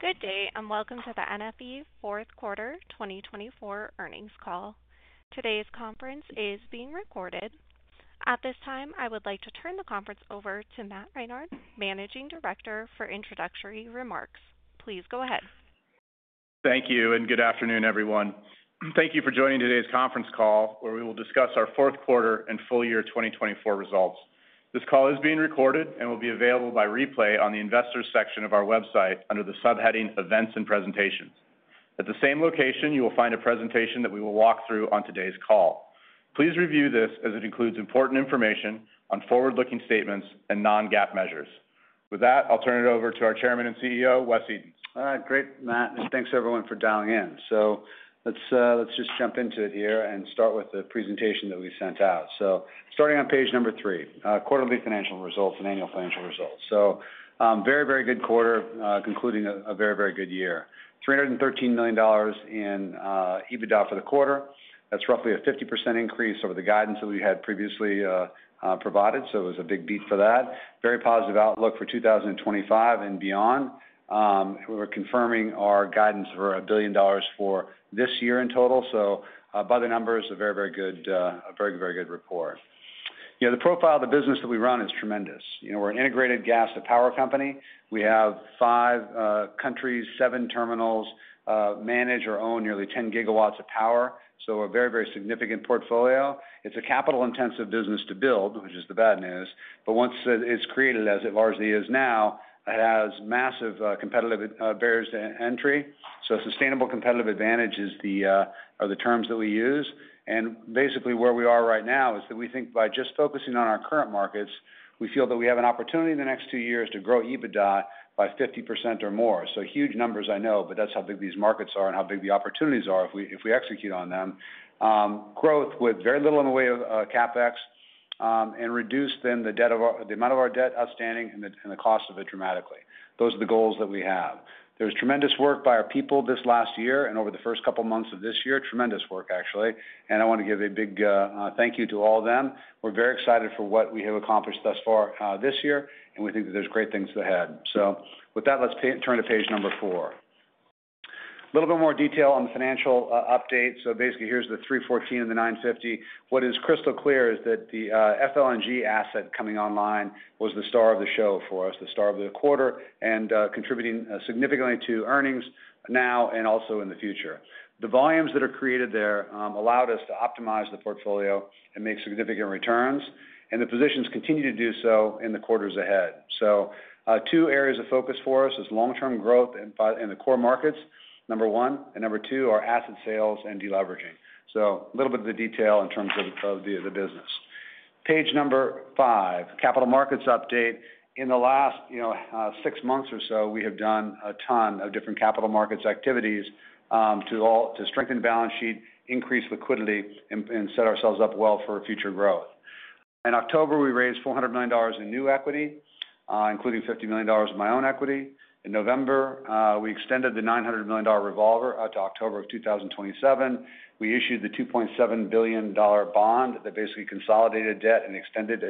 Good day, and welcome to the NFE fourth quarter 2024 earnings call. Today's conference is being recorded. At this time, I would like to turn the conference over to Matt Reinhardt, Managing Director for introductory remarks. Please go ahead. Thank you, and good afternoon, everyone. Thank you for joining today's conference call, where we will discuss our fourth quarter and full year 2024 results. This call is being recorded and will be available by replay on the Investors section of our website under the subheading Events and Presentations. At the same location, you will find a presentation that we will walk through on today's call. Please review this, as it includes important information on forward-looking statements and non-GAAP measures. With that, I'll turn it over to our Chairman and CEO, Wes Edens. All right. Great, Matt. Thanks, everyone, for dialing in. Let's just jump into it here and start with the presentation that we sent out. Starting on page number three, quarterly financial results and annual financial results. Very, very good quarter, concluding a very, very good year. $313 million in EBITDA for the quarter. That's roughly a 50% increase over the guidance that we had previously provided, so it was a big beat for that. Very positive outlook for 2025 and beyond. We're confirming our guidance for $1 billion for this year in total. By the numbers, a very, very good report. The profile of the business that we run is tremendous. We're an integrated gas-to-power company. We have five countries, seven terminals, manage or own nearly 10 GW of power. A very, very significant portfolio. It's a capital-intensive business to build, which is the bad news. Once it's created, as it largely is now, it has massive competitive barriers to entry. Sustainable competitive advantage are the terms that we use. Basically, where we are right now is that we think by just focusing on our current markets, we feel that we have an opportunity in the next two years to grow EBITDA by 50% or more. Huge numbers, I know, but that's how big these markets are and how big the opportunities are if we execute on them. Growth with very little in the way of CapEx and reduce then the amount of our debt outstanding and the cost of it dramatically. Those are the goals that we have. There's tremendous work by our people this last year and over the first couple of months of this year. Tremendous work, actually. I want to give a big thank you to all of them. We're very excited for what we have accomplished thus far this year, and we think that there's great things ahead. With that, let's turn to page number four. A little bit more detail on the financial update. Basically, here's the 314 and the 950. What is crystal clear is that the FLNG asset coming online was the star of the show for us, the star of the quarter, and contributing significantly to earnings now and also in the future. The volumes that are created there allowed us to optimize the portfolio and make significant returns, and the positions continue to do so in the quarters ahead. Two areas of focus for us are long-term growth in the core markets, number one, and number two are asset sales and deleveraging. A little bit of the detail in terms of the business. Page number five, capital markets update. In the last six months or so, we have done a ton of different capital markets activities to strengthen balance sheet, increase liquidity, and set ourselves up well for future growth. In October, we raised $400 million in new equity, including $50 million of my own equity. In November, we extended the $900 million revolver out to October of 2027. We issued the $2.7 billion bond that basically consolidated debt and extended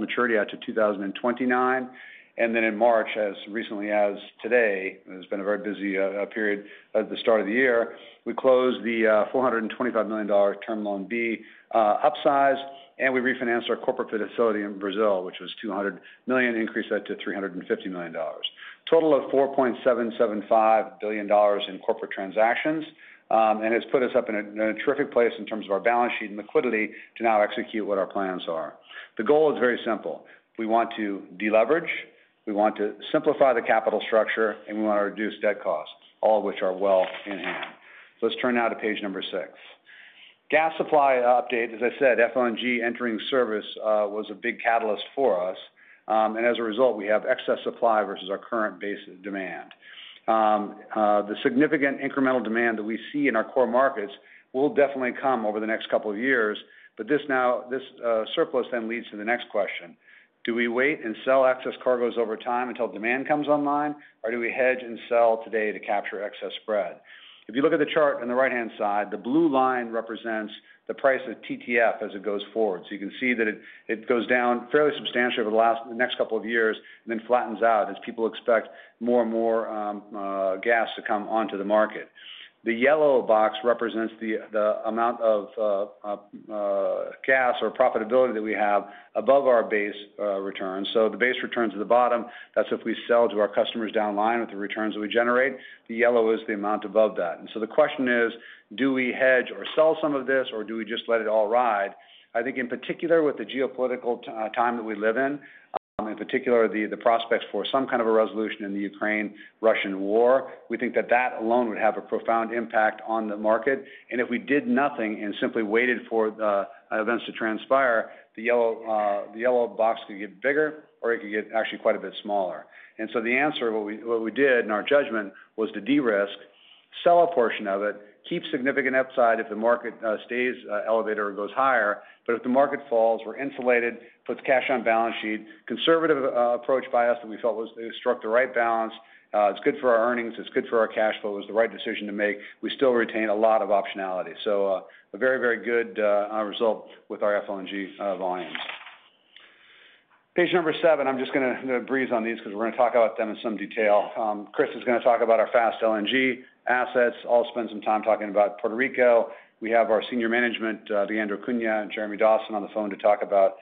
maturity out to 2029. In March, as recently as today, it has been a very busy period at the start of the year, we closed the $425 million terminal in B upsize, and we refinanced our corporate facility in Brazil, which was $200 million, increased that to $350 million. Total of $4.775 billion in corporate transactions. It has put us up in a terrific place in terms of our balance sheet and liquidity to now execute what our plans are. The goal is very simple. We want to deleverage, we want to simplify the capital structure, and we want to reduce debt costs, all of which are well in hand. Let's turn now to page number six. Gas supply update. As I said, FLNG entering service was a big catalyst for us. As a result, we have excess supply versus our current base demand. The significant incremental demand that we see in our core markets will definitely come over the next couple of years. This surplus then leads to the next question. Do we wait and sell excess cargoes over time until demand comes online, or do we hedge and sell today to capture excess spread? If you look at the chart on the right-hand side, the blue line represents the price of TTF as it goes forward. You can see that it goes down fairly substantially over the next couple of years and then flattens out as people expect more and more gas to come onto the market. The yellow box represents the amount of gas or profitability that we have above our base return. The base return is at the bottom, that's if we sell to our customers downline with the returns that we generate. The yellow is the amount above that. The question is, do we hedge or sell some of this, or do we just let it all ride? I think in particular, with the geopolitical time that we live in, in particular, the prospects for some kind of a resolution in the Ukraine-Russian war, we think that that alone would have a profound impact on the market. If we did nothing and simply waited for events to transpire, the yellow box could get bigger, or it could get actually quite a bit smaller. The answer of what we did in our judgment was to de-risk, sell a portion of it, keep significant upside if the market stays elevated or goes higher. If the market falls, we're insulated, puts cash on balance sheet, conservative approach by us that we felt struck the right balance. It's good for our earnings. It's good for our cash flow. It was the right decision to make. We still retain a lot of optionality. A very, very good result with our FLNG volumes. Page number seven, I'm just going to breeze on these because we're going to talk about them in some detail. Chris is going to talk about our fast LNG assets. I'll spend some time talking about Puerto Rico. We have our senior management, Leandro Cunha and Jeremy Dawson, on the phone to talk about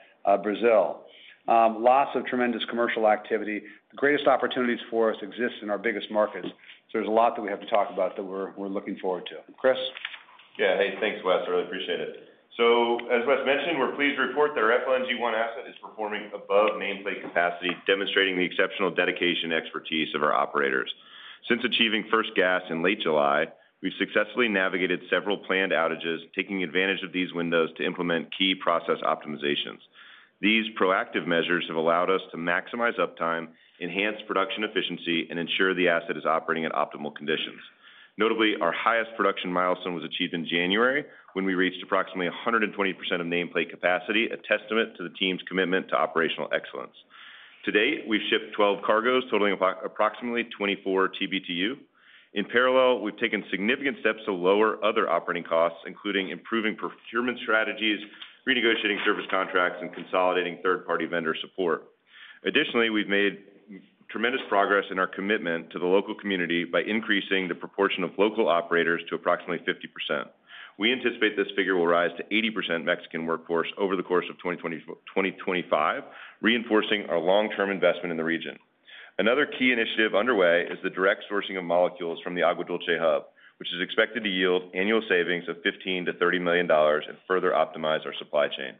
Brazil. Lots of tremendous commercial activity. The greatest opportunities for us exist in our biggest markets. There is a lot that we have to talk about that we're looking forward to. Chris? Yeah. Hey, thanks, Wes. Really appreciate it. As Wes mentioned, we're pleased to report that our FLNG 1 asset is performing above nameplate capacity, demonstrating the exceptional dedication and expertise of our operators. Since achieving first gas in late July, we've successfully navigated several planned outages, taking advantage of these windows to implement key process optimizations. These proactive measures have allowed us to maximize uptime, enhance production efficiency, and ensure the asset is operating at optimal conditions. Notably, our highest production milestone was achieved in January when we reached approximately 120% of nameplate capacity, a testament to the team's commitment to operational excellence. To date, we've shipped 12 cargoes totaling approximately 24 TBtu. In parallel, we've taken significant steps to lower other operating costs, including improving procurement strategies, renegotiating service contracts, and consolidating third-party vendor support. Additionally, we've made tremendous progress in our commitment to the local community by increasing the proportion of local operators to approximately 50%. We anticipate this figure will rise to 80% Mexican workforce over the course of 2025, reinforcing our long-term investment in the region. Another key initiative underway is the direct sourcing of molecules from the Agua Dulce hub, which is expected to yield annual savings of $15 million-$30 million and further optimize our supply chain.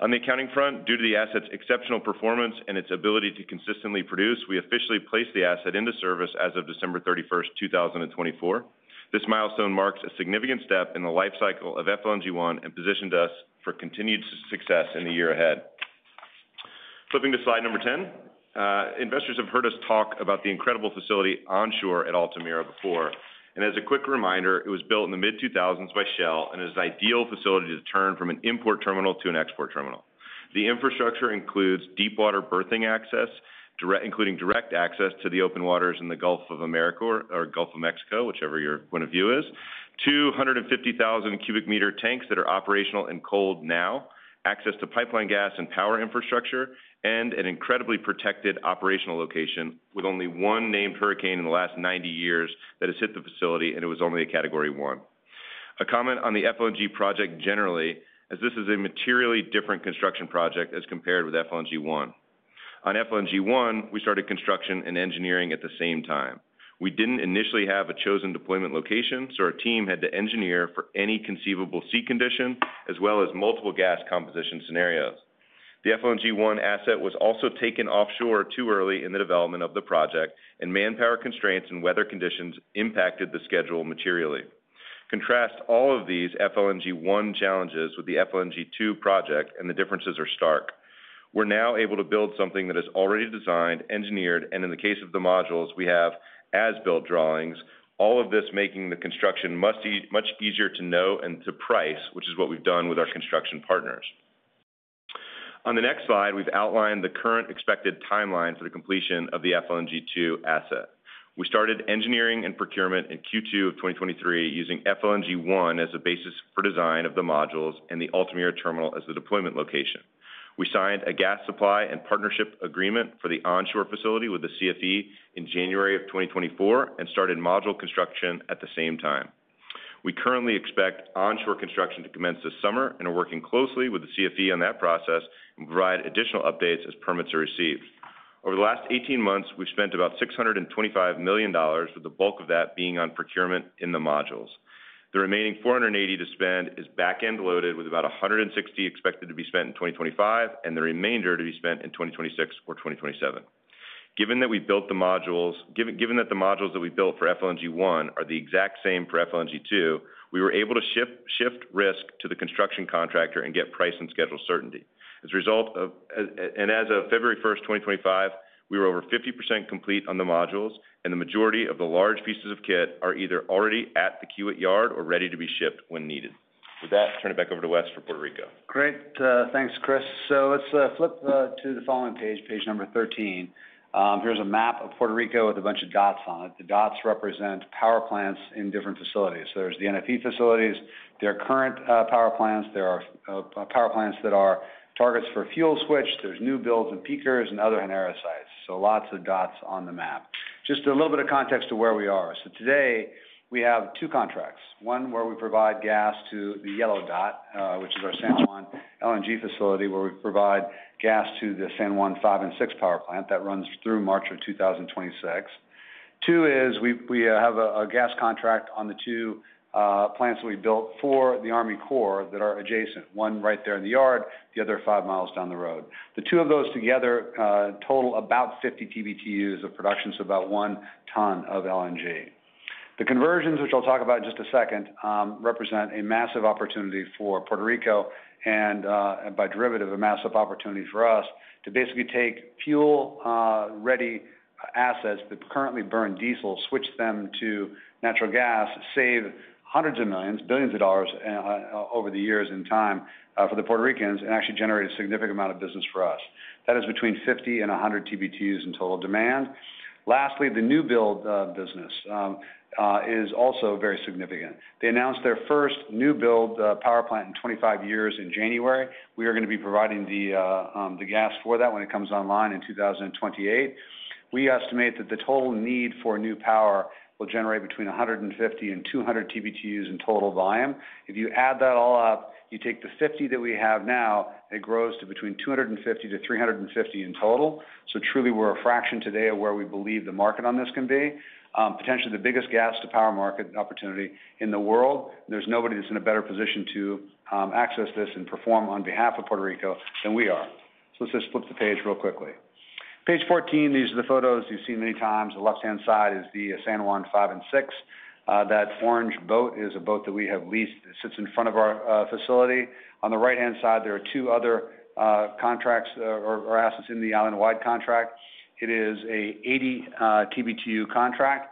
On the accounting front, due to the asset's exceptional performance and its ability to consistently produce, we officially placed the asset into service as of December 31, 2024. This milestone marks a significant step in the life cycle of FLNG 1 and positioned us for continued success in the year ahead. Flipping to slide number 10, investors have heard us talk about the incredible facility onshore at Altamira Fast. As a quick reminder, it was built in the mid-2000s by Shell and is an ideal facility to turn from an import terminal to an export terminal. The infrastructure includes deep water berthing access, including direct access to the open waters in the Gulf of Mexico, 250,000 cubic meter tanks that are operational and cold now, access to pipeline gas and power infrastructure, and an incredibly protected operational location with only one named hurricane in the last 90 years that has hit the facility, and it was only a category one. A comment on the FLNG project generally, as this is a materially different construction project as compared with FLNG 1. On FLNG 1, we started construction and engineering at the same time. We didn't initially have a chosen deployment location, so our team had to engineer for any conceivable sea condition, as well as multiple gas composition scenarios. The FLNG 1 asset was also taken offshore too early in the development of the project, and manpower constraints and weather conditions impacted the schedule materially. Contrast all of these FLNG 1 challenges with the FLNG 2 project, and the differences are stark. We're now able to build something that is already designed, engineered, and in the case of the modules, we have as-built drawings, all of this making the construction much easier to know and to price, which is what we've done with our construction partners. On the next slide, we've outlined the current expected timeline for the completion of the FLNG 2 asset. We started engineering and procurement in Q2 of 2023 using FLNG 1 as a basis for design of the modules and the Altamira terminal as the deployment location. We signed a gas supply and partnership agreement for the onshore facility with the CFE in January of 2024 and started module construction at the same time. We currently expect onshore construction to commence this summer and are working closely with the CFE on that process and provide additional updates as permits are received. Over the last 18 months, we've spent about $625 million, with the bulk of that being on procurement in the modules. The remaining $480 million to spend is back-end loaded with about $160 million expected to be spent in 2025 and the remainder to be spent in 2026 or 2027. Given that we built the modules, given that the modules that we built for FLNG 1 are the exact same for FLNG 2, we were able to shift risk to the construction contractor and get price and schedule certainty. As a result of, and as of February 1, 2025, we were over 50% complete on the modules, and the majority of the large pieces of kit are either already at the Kiewit yard or ready to be shipped when needed. With that, turn it back over to Wes for Puerto Rico. Great. Thanks, Chris. Let's flip to the following page, page number 13. Here's a map of Puerto Rico with a bunch of dots on it. The dots represent power plants in different facilities. There's the NFE facilities, there are current power plants, there are power plants that are targets for fuel switch, there's new builds and peakers and other Genera sites. Lots of dots on the map. Just a little bit of context to where we are. Today, we have two contracts. One where we provide gas to the yellow dot, which is our San Juan LNG facility, where we provide gas to the San Juan five and six power plant that runs through March of 2026. Two is we have a gas contract on the two plants that we built for the Army Corps that are adjacent, one right there in the yard, the other five miles down the road. The two of those together total about 50 TBtus of production, so about one ton of LNG. The conversions, which I'll talk about in just a second, represent a massive opportunity for Puerto Rico and by derivative, a massive opportunity for us to basically take fuel-ready assets that currently burn diesel, switch them to natural gas, save hundreds of millions, billions of dollars over the years in time for the Puerto Ricans and actually generate a significant amount of business for us. That is between 50 TBtus and 100 TBtus in total demand. Lastly, the new build business is also very significant. They announced their first new build power plant in 25 years in January. We are going to be providing the gas for that when it comes online in 2028. We estimate that the total need for new power will generate between 150 TBtus and 200 TBtus in total volume. If you add that all up, you take the 50 that we have now, it grows to between 250-350 in total. Truly, we're a fraction today of where we believe the market on this can be, potentially the biggest gas-to-power market opportunity in the world. There's nobody that's in a better position to access this and perform on behalf of Puerto Rico than we are. Let's just flip the page real quickly. Page 14, these are the photos you've seen many times. The left-hand side is the San Juan five and six. That orange boat is a boat that we have leased that sits in front of our facility. On the right-hand side, there are two other contracts or assets in the island-wide contract. It is an 80 TBtu contract.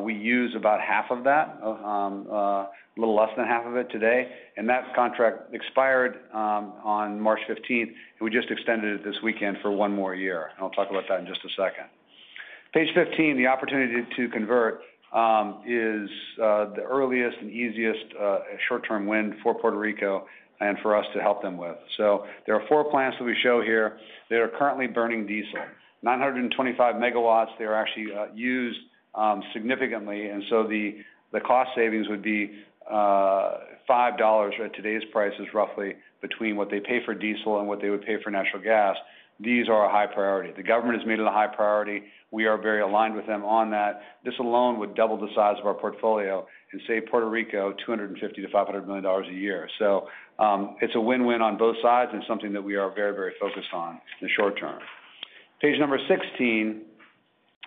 We use about half of that, a little less than half of it today. That contract expired on March 15th, and we just extended it this weekend for one more year. I'll talk about that in just a second. Page 15, the opportunity to convert is the earliest and easiest short-term win for Puerto Rico and for us to help them with. There are four plants that we show here that are currently burning diesel, 925 MW. They are actually used significantly. The cost savings would be $5 at today's prices, roughly between what they pay for diesel and what they would pay for natural gas. These are a high priority. The government has made it a high priority. We are very aligned with them on that. This alone would double the size of our portfolio and save Puerto Rico $250 million-$500 million a year. It is a win-win on both sides and something that we are very, very focused on in the short term. Page number 16,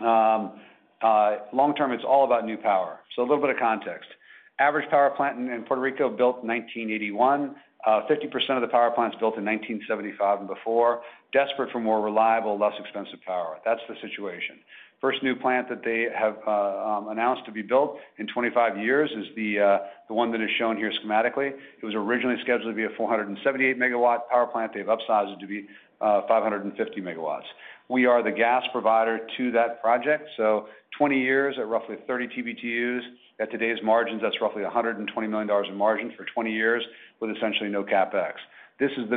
long term, it is all about new power. A little bit of context. The average power plant in Puerto Rico was built in 1981, 50% of the power plants were built in 1975 and before, desperate for more reliable, less expensive power. That is the situation. The first new plant that they have announced to be built in 25 years is the one that is shown here schematically. It was originally scheduled to be a 478 MW power plant. They have upsized it to be 550 MW. We are the gas provider to that project. Twenty years at roughly 30 TBtus. At today's margins, that's roughly $120 million in margin for 20 years with essentially no CapEx. This is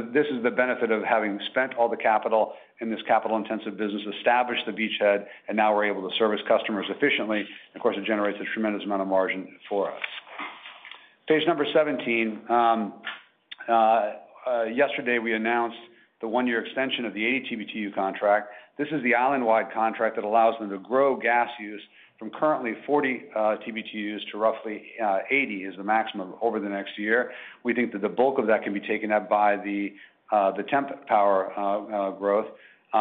the benefit of having spent all the capital in this capital-intensive business, established the beachhead, and now we're able to service customers efficiently. Of course, it generates a tremendous amount of margin for us. Page number 17, yesterday we announced the one-year extension of the 80 TBtu contract. This is the island-wide contract that allows them to grow gas use from currently 40 TBtus to roughly 80 TBtus is the maximum over the next year. We think that the bulk of that can be taken up by the temp power growth.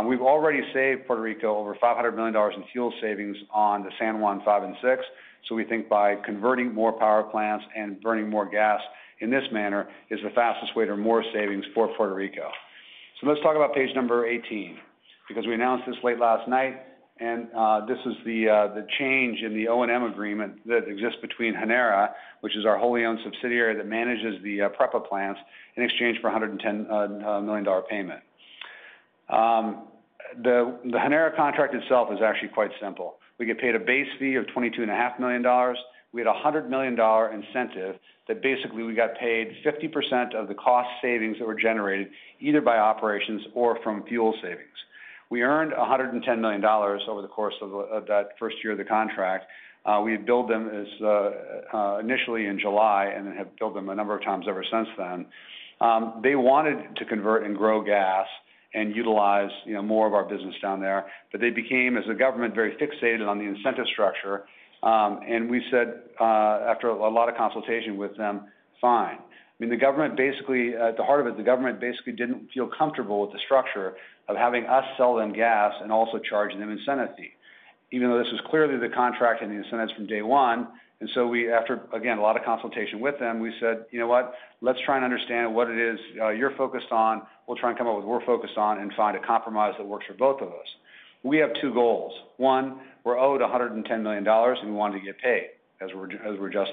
We've already saved Puerto Rico over $500 million in fuel savings on the San Juan five and six. We think by converting more power plants and burning more gas in this manner is the fastest way to more savings for Puerto Rico. Let's talk about page number 18 because we announced this late last night. This is the change in the O&M agreement that exists between Genera, which is our wholly owned subsidiary that manages the PREPA plants in exchange for a $110 million payment. The Genera contract itself is actually quite simple. We get paid a base fee of $22.5 million. We had a $100 million incentive that basically we got paid 50% of the cost savings that were generated either by operations or from fuel savings. We earned $110 million over the course of that first year of the contract. We had billed them initially in July and have billed them a number of times ever since then. They wanted to convert and grow gas and utilize more of our business down there. They became, as a government, very fixated on the incentive structure. We said after a lot of consultation with them, "Fine." I mean, the government basically, at the heart of it, the government basically did not feel comfortable with the structure of having us sell them gas and also charging them incentive fee, even though this was clearly the contract and the incentives from day one. After, again, a lot of consultation with them, we said, "You know what? Let's try and understand what it is you're focused on. We'll try and come up with what we're focused on and find a compromise that works for both of us." We have two goals. One, we're owed $110 million and we wanted to get paid as we're just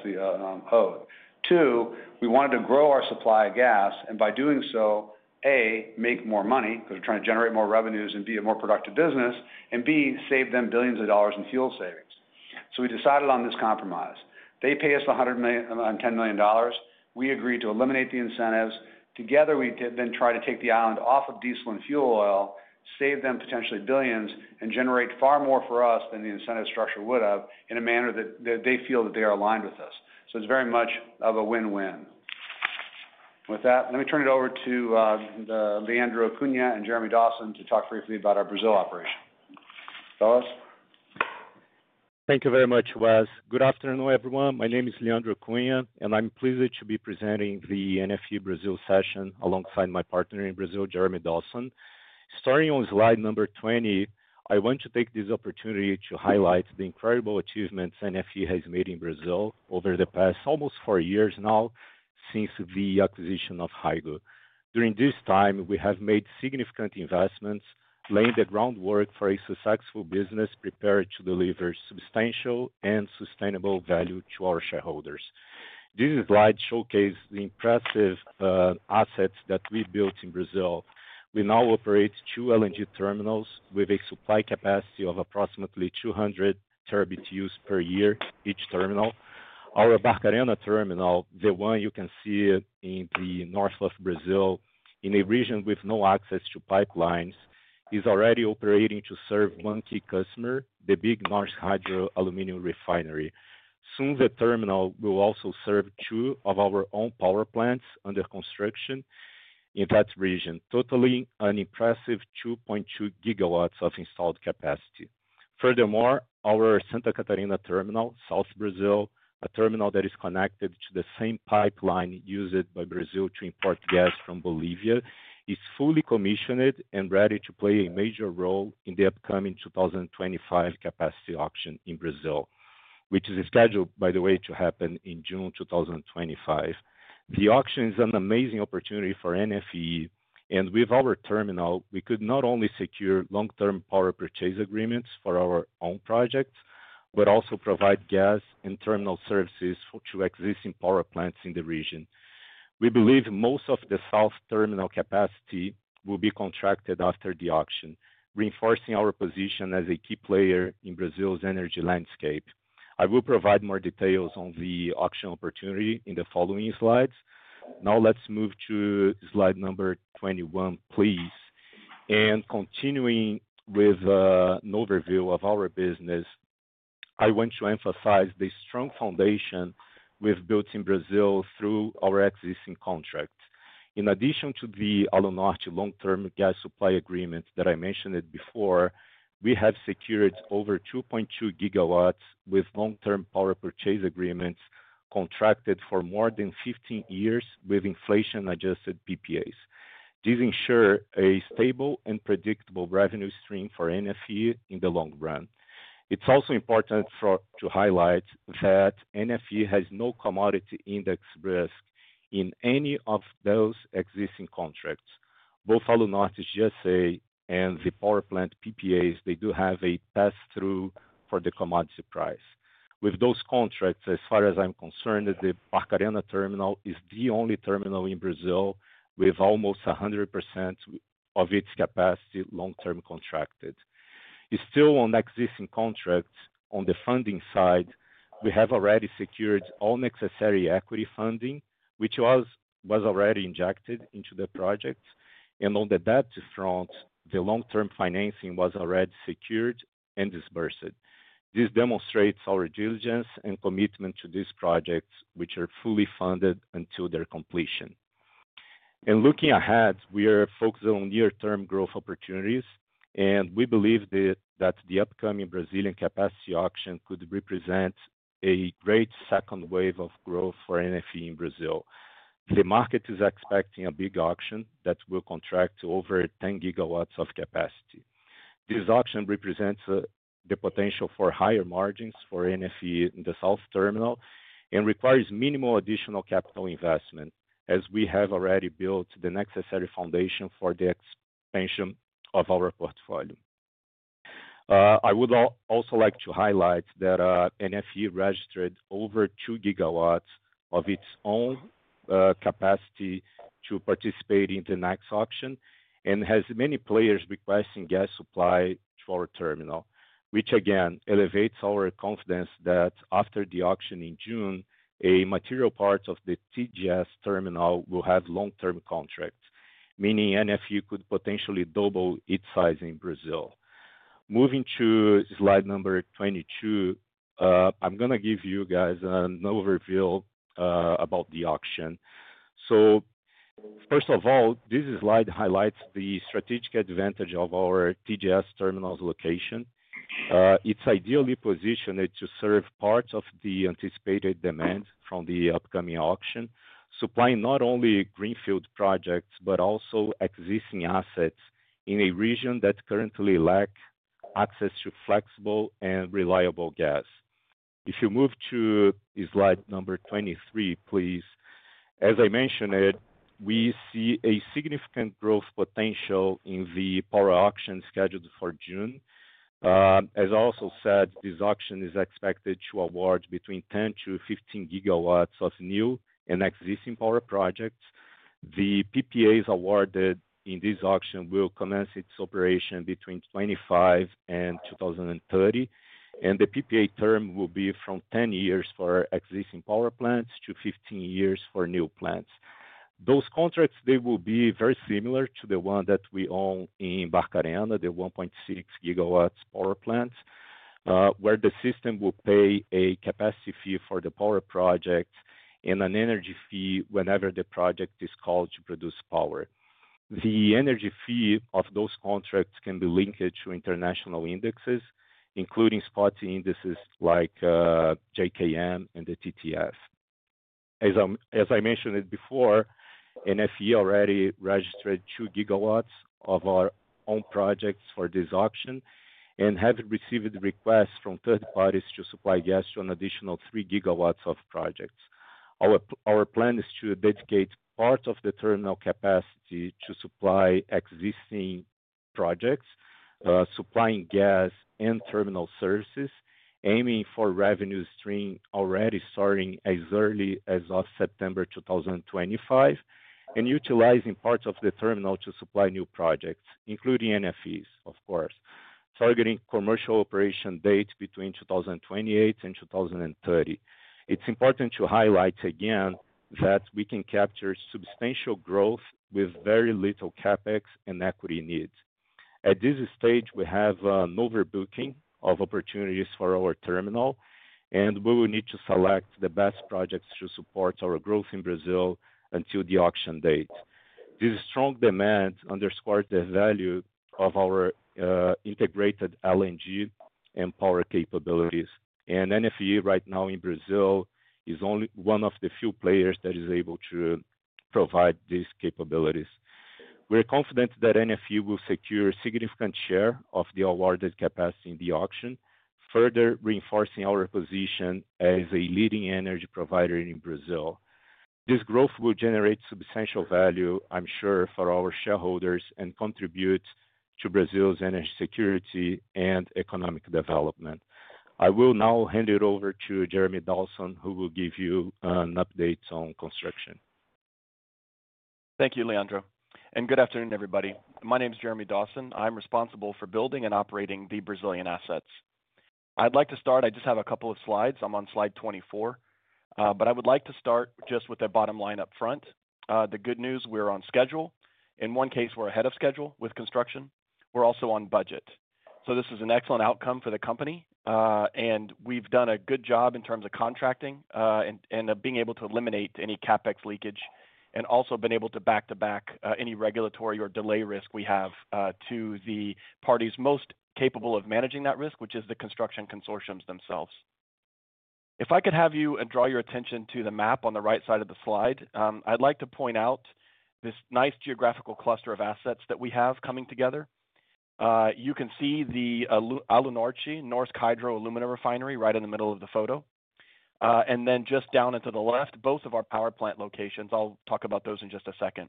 owed. Two, we wanted to grow our supply of gas and by doing so, A, make more money because we're trying to generate more revenues and be a more productive business, and B, save them billions of dollars in fuel savings. We decided on this compromise. They pay us $110 million. We agreed to eliminate the incentives. Together, we then try to take the island off of diesel and fuel oil, save them potentially billions, and generate far more for us than the incentive structure would have in a manner that they feel that they are aligned with us. It is very much of a win-win. With that, let me turn it over to Leandro Cunha and Jeremy Dawson to talk briefly about our Brazil operation. Fellas. Thank you very much, Wes. Good afternoon, everyone. My name is Leandro Cunha, and I'm pleased to be presenting the NFE Brazil session alongside my partner in Brazil, Jeremy Dawson. Starting on slide number 20, I want to take this opportunity to highlight the incredible achievements NFE has made in Brazil over the past almost four years now since the acquisition of Hygo. During this time, we have made significant investments, laying the groundwork for a successful business prepared to deliver substantial and sustainable value to our shareholders. This slide showcases the impressive assets that we built in Brazil. We now operate two LNG terminals with a supply capacity of approximately 200 TBtu per year, each terminal. Our Barcarena terminal, the one you can see in the north of Brazil, in a region with no access to pipelines, is already operating to serve one key customer, the big Norsk Hydro aluminum refinery. Soon, the terminal will also serve two of our own power plants under construction in that region, totaling an impressive 2.2 GW of installed capacity. Furthermore, our Santa Catarina terminal, South Brazil, a terminal that is connected to the same pipeline used by Brazil to import gas from Bolivia, is fully commissioned and ready to play a major role in the upcoming 2025 capacity auction in Brazil, which is scheduled, by the way, to happen in June 2025. The auction is an amazing opportunity for NFE, and with our terminal, we could not only secure long-term power purchase agreements for our own projects, but also provide gas and terminal services to existing power plants in the region. We believe most of the south terminal capacity will be contracted after the auction, reinforcing our position as a key player in Brazil's energy landscape. I will provide more details on the auction opportunity in the following slides. Now let's move to slide number 21, please. Continuing with an overview of our business, I want to emphasize the strong foundation we've built in Brazil through our existing contract. In addition to the Alunorte long-term gas supply agreement that I mentioned before, we have secured over 2.2 GW with long-term power purchase agreements contracted for more than 15 years with inflation-adjusted PPAs. These ensure a stable and predictable revenue stream for NFE in the long run. It's also important to highlight that NFE has no commodity index risk in any of those existing contracts. Both Alunorte's GSA and the power plant PPAs, they do have a pass-through for the commodity price. With those contracts, as far as I'm concerned, the Barcarena terminal is the only terminal in Brazil with almost 100% of its capacity long-term contracted. Still, on existing contracts, on the funding side, we have already secured all necessary equity funding, which was already injected into the project. On the debt front, the long-term financing was already secured and disbursed. This demonstrates our diligence and commitment to these projects, which are fully funded until their completion. Looking ahead, we are focused on near-term growth opportunities, and we believe that the upcoming Brazilian capacity auction could represent a great second wave of growth for NFE in Brazil. The market is expecting a big auction that will contract over 10 GW of capacity. This auction represents the potential for higher margins for NFE in the south terminal and requires minimal additional capital investment, as we have already built the necessary foundation for the expansion of our portfolio. I would also like to highlight that NFE registered over 2 GW of its own capacity to participate in the next auction and has many players requesting gas supply to our terminal, which again elevates our confidence that after the auction in June, a material part of the TGS terminal will have long-term contracts, meaning NFE could potentially double its size in Brazil. Moving to slide number 22, I'm going to give you guys an overview about the auction. First of all, this slide highlights the strategic advantage of our TGS terminal's location. It's ideally positioned to serve part of the anticipated demand from the upcoming auction, supplying not only greenfield projects, but also existing assets in a region that currently lacks access to flexible and reliable gas. If you move to slide number 23, please, as I mentioned, we see a significant growth potential in the power auction scheduled for June. As I also said, this auction is expected to award between 10 GW-15 GW of new and existing power projects. The PPAs awarded in this auction will commence its operation between 2025 and 2030, and the PPA term will be from 10 years for existing power plants to 15 years for new plants. Those contracts, they will be very similar to the one that we own in Barcarena, the 1.6 GW power plants, where the system will pay a capacity fee for the power project and an energy fee whenever the project is called to produce power. The energy fee of those contracts can be linked to international indexes, including spotty indices like JKM and the TTS. As I mentioned before, NFE already registered 2 GW of our own projects for this auction and have received requests from third parties to supply gas to an additional 3 GW of projects. Our plan is to dedicate part of the terminal capacity to supply existing projects, supplying gas and terminal services, aiming for revenue stream already starting as early as September 2025 and utilizing parts of the terminal to supply new projects, including NFE's, of course, targeting commercial operation date between 2028 and 2030. It's important to highlight again that we can capture substantial growth with very little CapEx and equity needs. At this stage, we have an overbooking of opportunities for our terminal, and we will need to select the best projects to support our growth in Brazil until the auction date. This strong demand underscores the value of our integrated LNG and power capabilities. NFE right now in Brazil is only one of the few players that is able to provide these capabilities. We're confident that NFE will secure a significant share of the awarded capacity in the auction, further reinforcing our position as a leading energy provider in Brazil. This growth will generate substantial value, I'm sure, for our shareholders and contribute to Brazil's energy security and economic development. I will now hand it over to Jeremy Dawson, who will give you an update on construction. Thank you, Leandro. Good afternoon, everybody. My name is Jeremy Dawson. I'm responsible for building and operating the Brazilian assets. I'd like to start, I just have a couple of slides. I'm on slide 24, but I would like to start just with the bottom line up front. The good news, we're on schedule. In one case, we're ahead of schedule with construction. We're also on budget. This is an excellent outcome for the company. We've done a good job in terms of contracting and being able to eliminate any CapEx leakage and also been able to back to back any regulatory or delay risk we have to the parties most capable of managing that risk, which is the construction consortiums themselves. If I could have you draw your attention to the map on the right side of the slide, I'd like to point out this nice geographical cluster of assets that we have coming together. You can see the Alunorte, Norsk Hydro aluminum refinery right in the middle of the photo. And then just down and to the left, both of our power plant locations. I'll talk about those in just a second.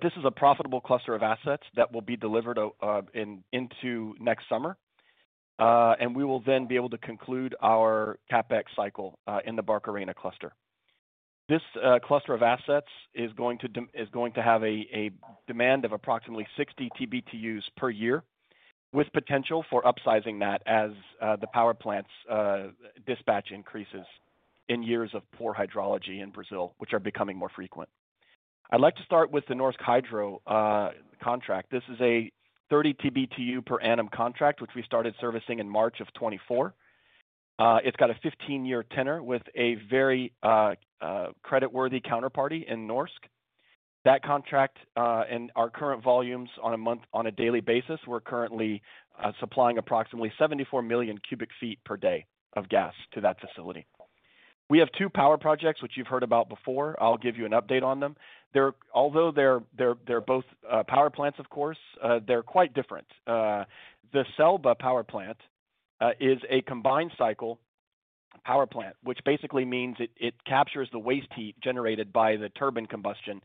This is a profitable cluster of assets that will be delivered into next summer. We will then be able to conclude our CapEx cycle in the Barcarena cluster. This cluster of assets is going to have a demand of approximately 60 TBtus per year, with potential for upsizing that as the power plants' dispatch increases in years of poor hydrology in Brazil, which are becoming more frequent. I'd like to start with the Norsk Hydro contract. This is a 30 TBtu per annum contract, which we started servicing in March of 2024. It's got a 15-year tenor with a very creditworthy counterparty in Norsk Hydro. That contract and our current volumes on a daily basis, we're currently supplying approximately 74 million cubic feet per day of gas to that facility. We have two power projects, which you've heard about before. I'll give you an update on them. Although they're both power plants, of course, they're quite different. The CELBA power plant is a combined cycle power plant, which basically means it captures the waste heat generated by the turbine combustion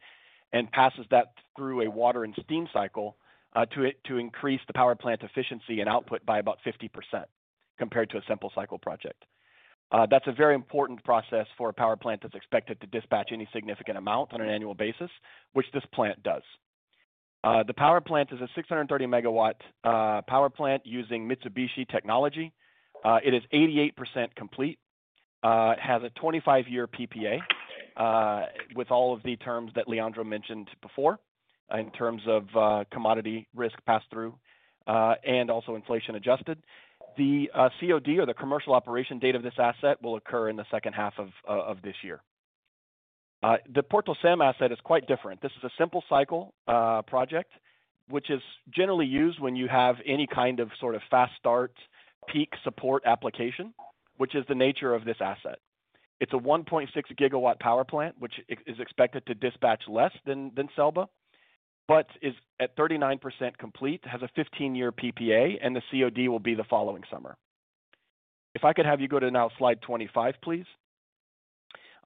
and passes that through a water and steam cycle to increase the power plant efficiency and output by about 50% compared to a simple cycle project. That's a very important process for a power plant that's expected to dispatch any significant amount on an annual basis, which this plant does. The power plant is a 630 MW power plant using Mitsubishi technology. It is 88% complete. It has a 25-year PPA with all of the terms that Leandro mentioned before in terms of commodity risk pass-through and also inflation-adjusted. The COD, or the commercial operation date of this asset, will occur in the second half of this year. The PortoCem asset is quite different. This is a simple cycle project, which is generally used when you have any kind of sort of fast start peak support application, which is the nature of this asset. It's a 1.6 GW power plant, which is expected to dispatch less than CELBA, but is at 39% complete, has a 15-year PPA, and the COD will be the following summer. If I could have you go to now slide 25, please.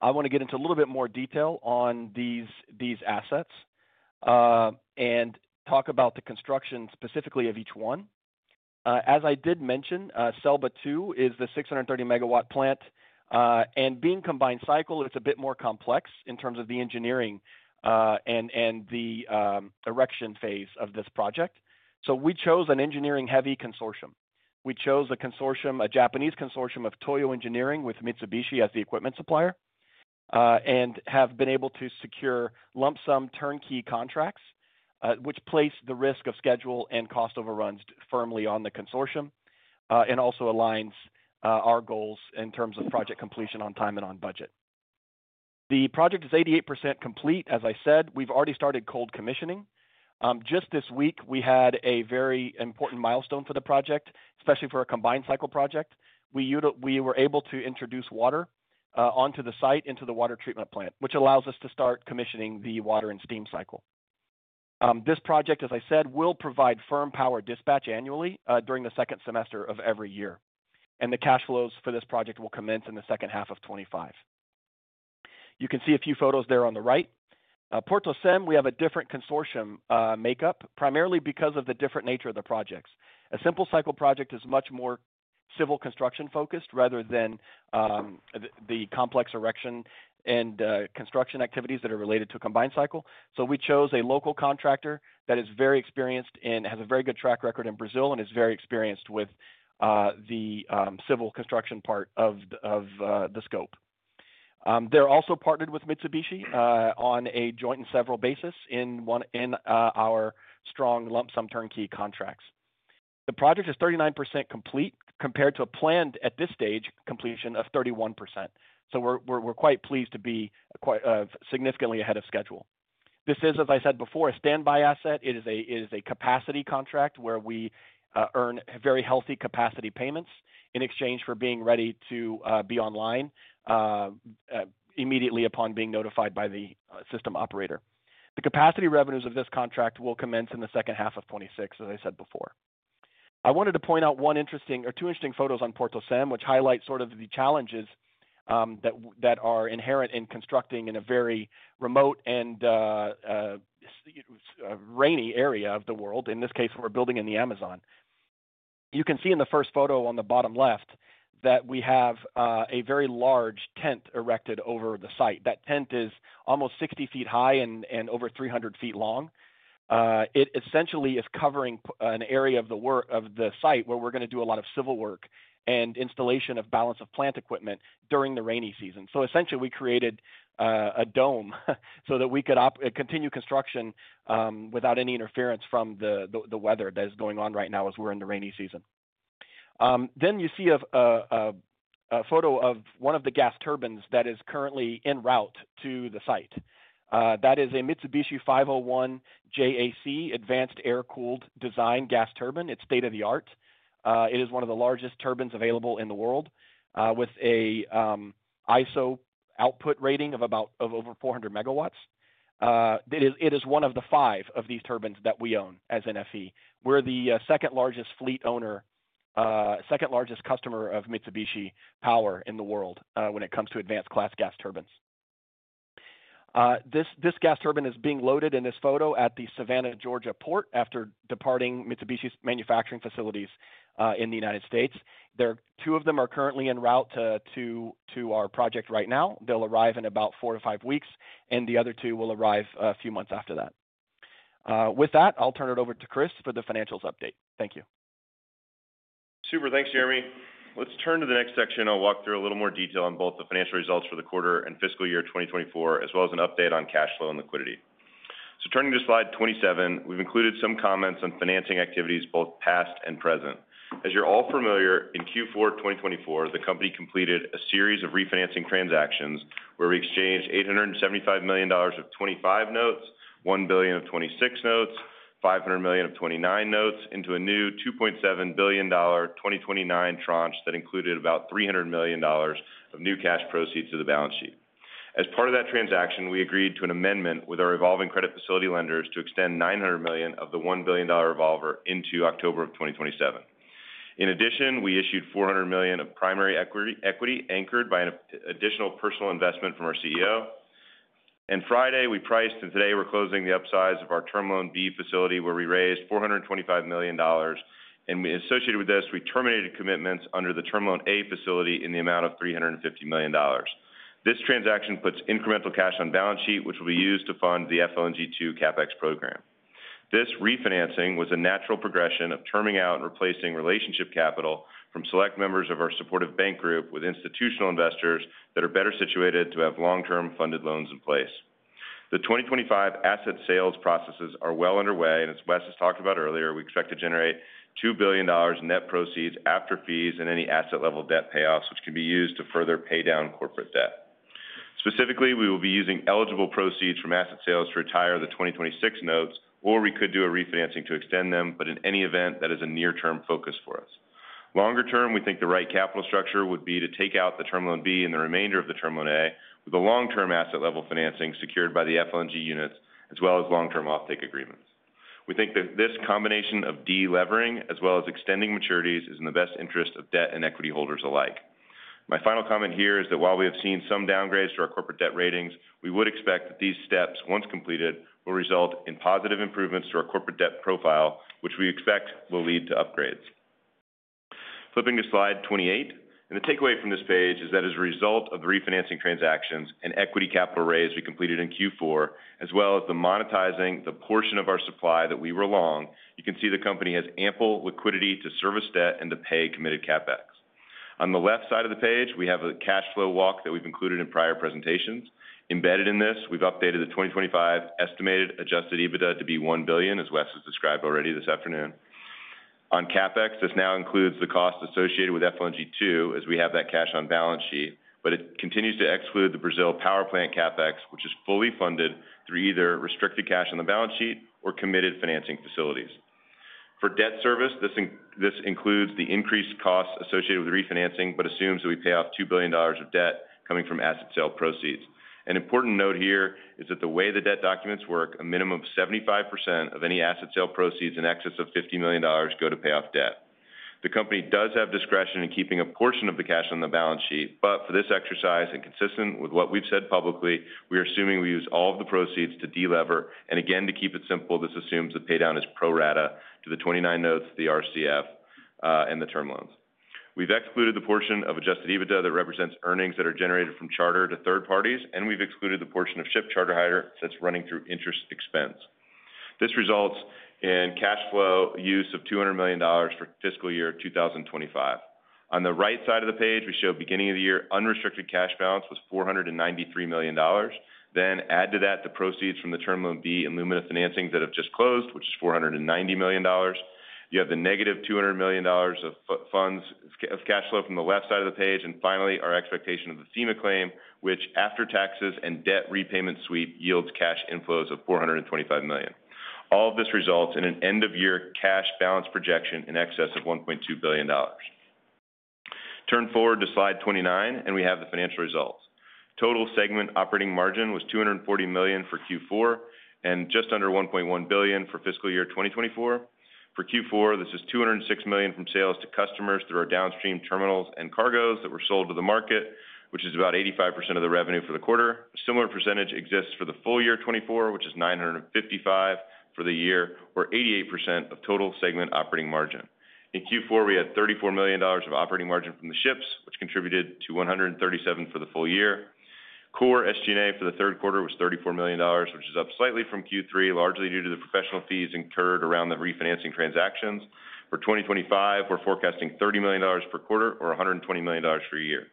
I want to get into a little bit more detail on these assets and talk about the construction specifically of each one. As I did mention, CELBA 2 is the 630 MW plant. Being combined cycle, it's a bit more complex in terms of the engineering and the erection phase of this project. We chose an engineering-heavy consortium. We chose a Japanese consortium of Toyo Engineering with Mitsubishi as the equipment supplier and have been able to secure lump sum turnkey contracts, which placed the risk of schedule and cost overruns firmly on the consortium and also aligns our goals in terms of project completion on time and on budget. The project is 88% complete. As I said, we've already started cold commissioning. Just this week, we had a very important milestone for the project, especially for a combined cycle project. We were able to introduce water onto the site into the water treatment plant, which allows us to start commissioning the water and steam cycle. This project, as I said, will provide firm power dispatch annually during the second semester of every year. The cash flows for this project will commence in the second half of 2025. You can see a few photos there on the right. PortoCem, we have a different consortium makeup, primarily because of the different nature of the projects. A simple cycle project is much more civil construction-focused rather than the complex erection and construction activities that are related to combined cycle. We chose a local contractor that is very experienced and has a very good track record in Brazil and is very experienced with the civil construction part of the scope. They're also partnered with Mitsubishi on a joint and several basis in our strong lump sum turnkey contracts. The project is 39% complete compared to a planned at this stage completion of 31%. We're quite pleased to be significantly ahead of schedule. This is, as I said before, a standby asset. It is a capacity contract where we earn very healthy capacity payments in exchange for being ready to be online immediately upon being notified by the system operator. The capacity revenues of this contract will commence in the second half of 2026, as I said before. I wanted to point out one interesting or two interesting photos on PortoCem, which highlight sort of the challenges that are inherent in constructing in a very remote and rainy area of the world. In this case, we're building in the Amazon. You can see in the first photo on the bottom left that we have a very large tent erected over the site. That tent is almost 60 feet high and over 300 feet long. It essentially is covering an area of the site where we're going to do a lot of civil work and installation of balance of plant equipment during the rainy season. Essentially, we created a dome so that we could continue construction without any interference from the weather that is going on right now as we're in the rainy season. You see a photo of one of the gas turbines that is currently en route to the site. That is a Mitsubishi 501 JAC, advanced air-cooled design gas turbine. It's state of the art. It is one of the largest turbines available in the world with an ISO output rating of over 400 MW. It is one of the five of these turbines that we own as NFE. We're the second largest fleet owner, second largest customer of Mitsubishi Power in the world when it comes to advanced class gas turbines. This gas turbine is being loaded in this photo at the Savannah, Georgia port after departing Mitsubishi's manufacturing facilities in the United States. Two of them are currently en route to our project right now. They'll arrive in about four to five weeks, and the other two will arrive a few months after that. With that, I'll turn it over to Chris for the financials update. Thank you. Super. Thanks, Jeremy. Let's turn to the next section. I'll walk through a little more detail on both the financial results for the quarter and fiscal year 2024, as well as an update on cash flow and liquidity. Turning to slide 27, we've included some comments on financing activities, both past and present. As you're all familiar, in Q4 2024, the company completed a series of refinancing transactions where we exchanged $875 million of 2025 notes, $1 billion of '26 notes, $500 million of '29 notes into a new $2.7 billion 2029 tranche that included about $300 million of new cash proceeds to the balance sheet. As part of that transaction, we agreed to an amendment with our revolving credit facility lenders to extend $900 million of the $1 billion revolver into October of 2027. In addition, we issued $400 million of primary equity anchored by an additional personal investment from our CEO. On Friday, we priced, and today we are closing the upsize of our Term Loan B facility where we raised $425 million. Associated with this, we terminated commitments under the Term Loan A facility in the amount of $350 million. This transaction puts incremental cash on balance sheet, which will be used to fund the FLNG 2 CapEx program. This refinancing was a natural progression of terming out and replacing relationship capital from select members of our supportive bank group with institutional investors that are better situated to have long-term funded loans in place. The 2025 asset sales processes are well underway, and as Wes has talked about earlier, we expect to generate $2 billion in net proceeds after fees and any asset-level debt payoffs, which can be used to further pay down corporate debt. Specifically, we will be using eligible proceeds from asset sales to retire the 2026 notes, or we could do a refinancing to extend them, but in any event, that is a near-term focus for us. Longer term, we think the right capital structure would be to take out the Term Loan B and the remainder of the Term Loan A with a long-term asset-level financing secured by the FLNG units, as well as long-term offtake agreements. We think that this combination of delevering as well as extending maturities is in the best interest of debt and equity holders alike. My final comment here is that while we have seen some downgrades to our corporate debt ratings, we would expect that these steps, once completed, will result in positive improvements to our corporate debt profile, which we expect will lead to upgrades. Flipping to slide 28, and the takeaway from this page is that as a result of the refinancing transactions and equity capital raise we completed in Q4, as well as monetizing the portion of our supply that we were long, you can see the company has ample liquidity to service debt and to pay committed CapEx. On the left side of the page, we have a cash flow walk that we've included in prior presentations. Embedded in this, we've updated the 2025 estimated adjusted EBITDA to be $1 billion, as Wes has described already this afternoon. On CapEx, this now includes the cost associated with FLNG 2 as we have that cash on balance sheet, but it continues to exclude the Brazil power plant CapEx, which is fully funded through either restricted cash on the balance sheet or committed financing facilities. For debt service, this includes the increased costs associated with refinancing, but assumes that we pay off $2 billion of debt coming from asset sale proceeds. An important note here is that the way the debt documents work, a minimum of 75% of any asset sale proceeds in excess of $50 million go to pay off debt. The company does have discretion in keeping a portion of the cash on the balance sheet, but for this exercise and consistent with what we've said publicly, we are assuming we use all of the proceeds to delever. To keep it simple, this assumes the paydown is pro rata to the 29 notes, the RCF, and the term loans. We have excluded the portion of adjusted EBITDA that represents earnings that are generated from charter to third parties, and we have excluded the portion of ship charter hire that is running through interest expense. This results in cash flow use of $200 million for fiscal year 2025. On the right side of the page, we show beginning of the year unrestricted cash balance was $493 million. Add to that the proceeds from the Term Loan B and Lumina financing that have just closed, which is $490 million. You have the negative $200 million of cash flow from the left side of the page. Finally, our expectation of the FEMA claim, which after taxes and debt repayment sweep yields cash inflows of $425 million. All of this results in an end-of-year cash balance projection in excess of $1.2 billion. Turn forward to slide 29, and we have the financial results. Total segment operating margin was $240 million for Q4 and just under $1.1 billion for fiscal year 2024. For Q4, this is $206 million from sales to customers through our downstream terminals and cargoes that were sold to the market, which is about 85% of the revenue for the quarter. A similar percentage exists for the full year 2024, which is $955 million for the year, or 88% of total segment operating margin. In Q4, we had $34 million of operating margin from the ships, which contributed to $137 million for the full year. Core SG&A for the third quarter was $34 million, which is up slightly from Q3, largely due to the professional fees incurred around the refinancing transactions. For 2025, we're forecasting $30 million per quarter, or $120 million for a year.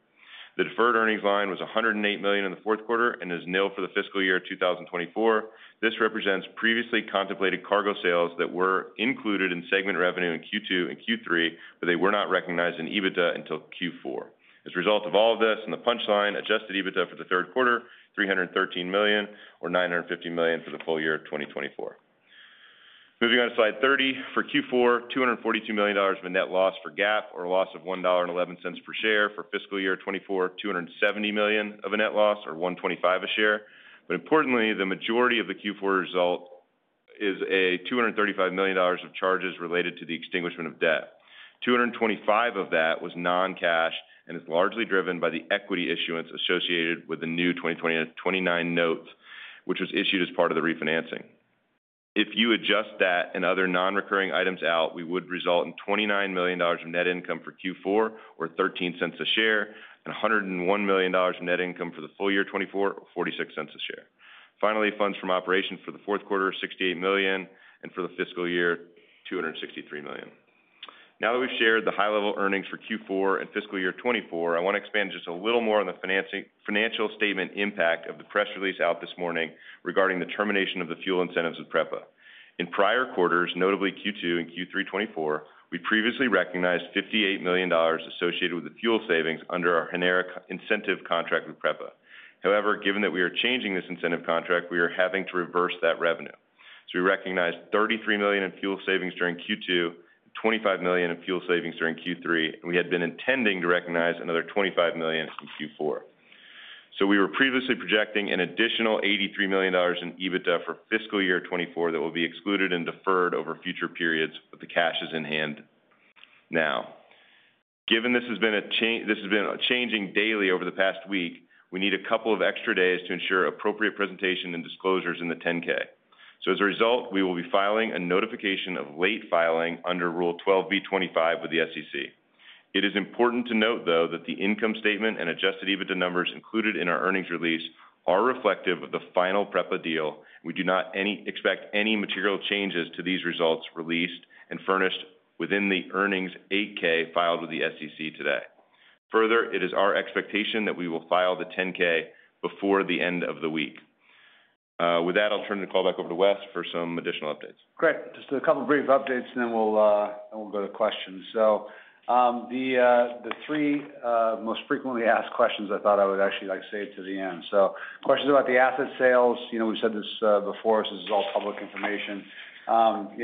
The deferred earnings line was $108 million in the fourth quarter and is nil for the fiscal year 2024. This represents previously contemplated cargo sales that were included in segment revenue in Q2 and Q3, but they were not recognized in EBITDA until Q4. As a result of all of this and the punchline, adjusted EBITDA for the third quarter, $313 million, or $950 million for the full year of 2024. Moving on to slide 30. For Q4, $242 million of a net loss for GAP, or a loss of $1.11 per share. For fiscal year 2024, $270 million of a net loss, or $1.25 a share. Importantly, the majority of the Q4 result is $235 million of charges related to the extinguishment of debt. $225 of that was non-cash and is largely driven by the equity issuance associated with the new 2029 notes, which was issued as part of the refinancing. If you adjust that and other non-recurring items out, we would result in $29 million of net income for Q4, or $0.13 a share, and $101 million of net income for the full year 2024, or $0.46 a share. Finally, funds from operations for the fourth quarter, $68 million, and for the fiscal year, $263 million. Now that we've shared the high-level earnings for Q4 and fiscal year 2024, I want to expand just a little more on the financial statement impact of the press release out this morning regarding the termination of the fuel incentives with PREPA. In prior quarters, notably Q2 and Q3 2024, we previously recognized $58 million associated with the fuel savings under our Genera incentive contract with PREPA. However, given that we are changing this incentive contract, we are having to reverse that revenue. We recognized $33 million in fuel savings during Q2, $25 million in fuel savings during Q3, and we had been intending to recognize another $25 million in Q4. We were previously projecting an additional $83 million in EBITDA for fiscal year 2024 that will be excluded and deferred over future periods, but the cash is in hand now. Given this has been changing daily over the past week, we need a couple of extra days to ensure appropriate presentation and disclosures in the 10-K. As a result, we will be filing a notification of late filing under Rule 12B25 with the SEC. It is important to note, though, that the income statement and adjusted EBITDA numbers included in our earnings release are reflective of the final PREPA deal. We do not expect any material changes to these results released and furnished within the earnings 8-K filed with the SEC today. Further, it is our expectation that we will file the 10-K before the end of the week. With that, I'll turn the call back over to Wes for some additional updates. Great. Just a couple of brief updates, and then we'll go to questions. The three most frequently asked questions I thought I would actually like to save to the end. Questions about the asset sales. We've said this before. This is all public information.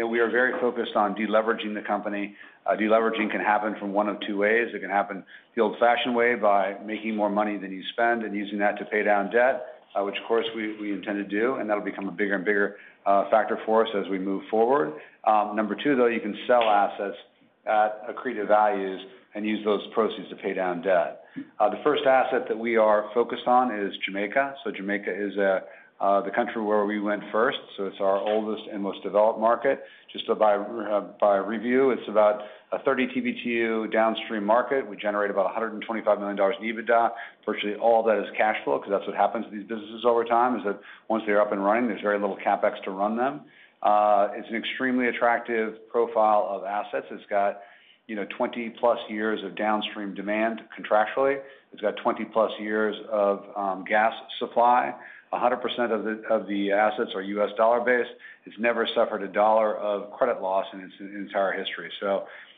We are very focused on deleveraging the company. Deleveraging can happen from one of two ways. It can happen the old-fashioned way by making more money than you spend and using that to pay down debt, which, of course, we intend to do, and that'll become a bigger and bigger factor for us as we move forward. Number two, though, you can sell assets at accretive values and use those proceeds to pay down debt. The first asset that we are focused on is Jamaica. Jamaica is the country where we went first. It's our oldest and most developed market. Just by review, it's about a 30-TBtu downstream market. We generate about $125 million in EBITDA. Virtually all that is cash flow, because that's what happens to these businesses over time, is that once they're up and running, there's very little CapEx to run them. It's an extremely attractive profile of assets. It's got 20+ years of downstream demand contractually. It's got 20+ years of gas supply. 100% of the assets are US dollar-based. It's never suffered a dollar of credit loss in its entire history.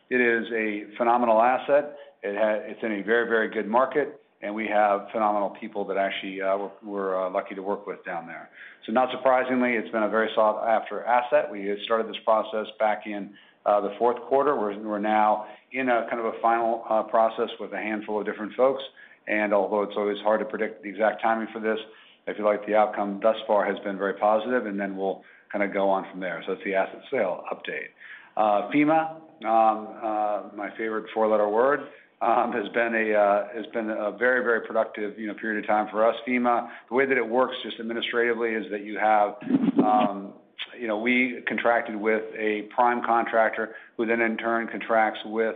It is a phenomenal asset. It's in a very, very good market, and we have phenomenal people that actually we're lucky to work with down there. Not surprisingly, it's been a very sought-after asset. We had started this process back in the fourth quarter. We're now in kind of a final process with a handful of different folks. Although it's always hard to predict the exact timing for this, if you like, the outcome thus far has been very positive, and then we'll kind of go on from there. That's the asset sale update. FEMA, my favorite four-letter word, has been a very, very productive period of time for us. FEMA, the way that it works just administratively is that you have we contracted with a prime contractor who then in turn contracts with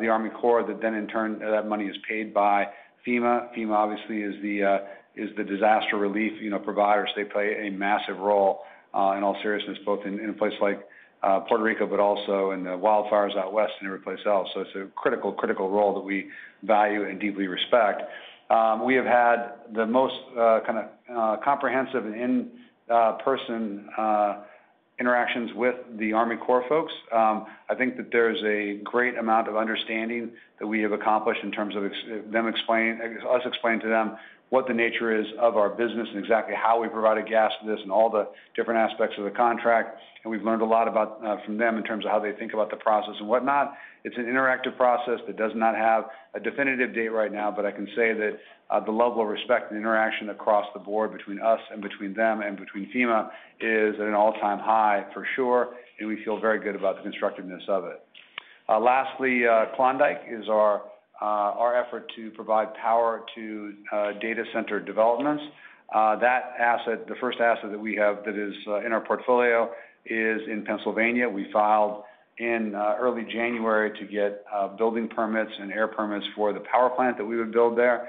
the Army Corps that then in turn that money is paid by FEMA. FEMA, obviously, is the disaster relief providers. They play a massive role in all seriousness, both in a place like Puerto Rico, but also in the wildfires out west and every place else. It's a critical, critical role that we value and deeply respect. We have had the most kind of comprehensive and in-person interactions with the Army Corps folks. I think that there's a great amount of understanding that we have accomplished in terms of them explaining, us explaining to them what the nature is of our business and exactly how we provide a gas for this and all the different aspects of the contract. And we've learned a lot from them in terms of how they think about the process and whatnot. It's an interactive process that does not have a definitive date right now, but I can say that the level of respect and interaction across the board between us and between them and between FEMA is at an all-time high for sure, and we feel very good about the constructiveness of it. Lastly, Klondike is our effort to provide power to data center developments. That asset, the first asset that we have that is in our portfolio, is in Pennsylvania. We filed in early January to get building permits and air permits for the power plant that we would build there.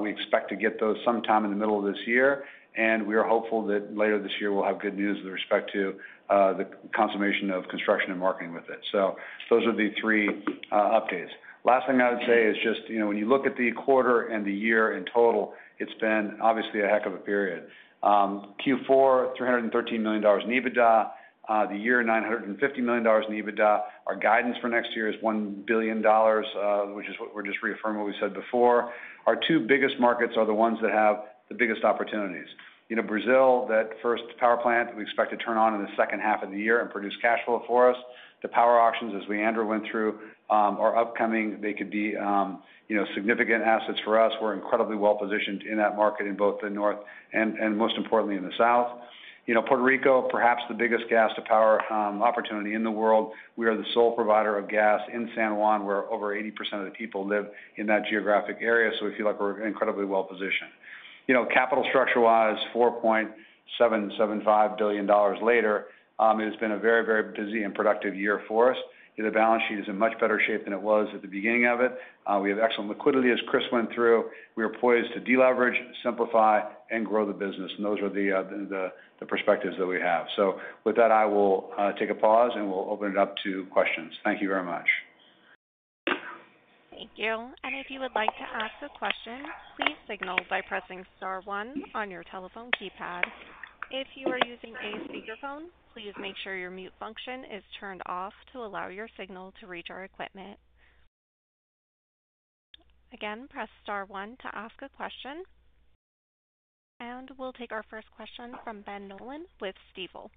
We expect to get those sometime in the middle of this year, and we are hopeful that later this year we'll have good news with respect to the consummation of construction and marketing with it. Those are the three updates. Last thing I would say is just when you look at the quarter and the year in total, it's been obviously a heck of a period. Q4, $313 million in EBITDA. The year, $950 million in EBITDA. Our guidance for next year is $1 billion, which is what we're just reaffirming what we said before. Our two biggest markets are the ones that have the biggest opportunities. Brazil, that first power plant that we expect to turn on in the second half of the year and produce cash flow for us. The power auctions, as Leandro went through, are upcoming. They could be significant assets for us. We're incredibly well-positioned in that market in both the north and, most importantly, in the south. Puerto Rico, perhaps the biggest gas-to-power opportunity in the world. We are the sole provider of gas in San Juan. We're over 80% of the people live in that geographic area, so we feel like we're incredibly well-positioned. Capital structure-wise, $4.775 billion later, it has been a very, very busy and productive year for us. The balance sheet is in much better shape than it was at the beginning of it. We have excellent liquidity as Chris went through. We are poised to deleverage, simplify, and grow the business. Those are the perspectives that we have. With that, I will take a pause and we'll open it up to questions. Thank you very much. Thank you. If you would like to ask a question, please signal by pressing star one on your telephone keypad. If you are using a speakerphone, please make sure your mute function is turned off to allow your signal to reach our equipment. Again, press star one to ask a question. We will take our first question from Ben Nolan with Stifel.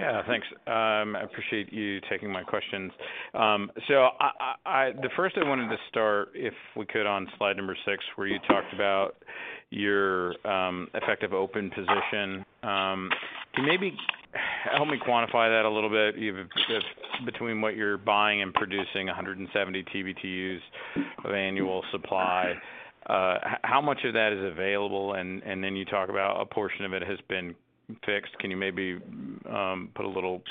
Yeah, thanks. I appreciate you taking my questions. The first I wanted to start, if we could, on slide number six, where you talked about your effective open position. Can you maybe help me quantify that a little bit between what you're buying and producing, 170 TBtus of annual supply? How much of that is available? You talk about a portion of it has been fixed. Can you maybe put a little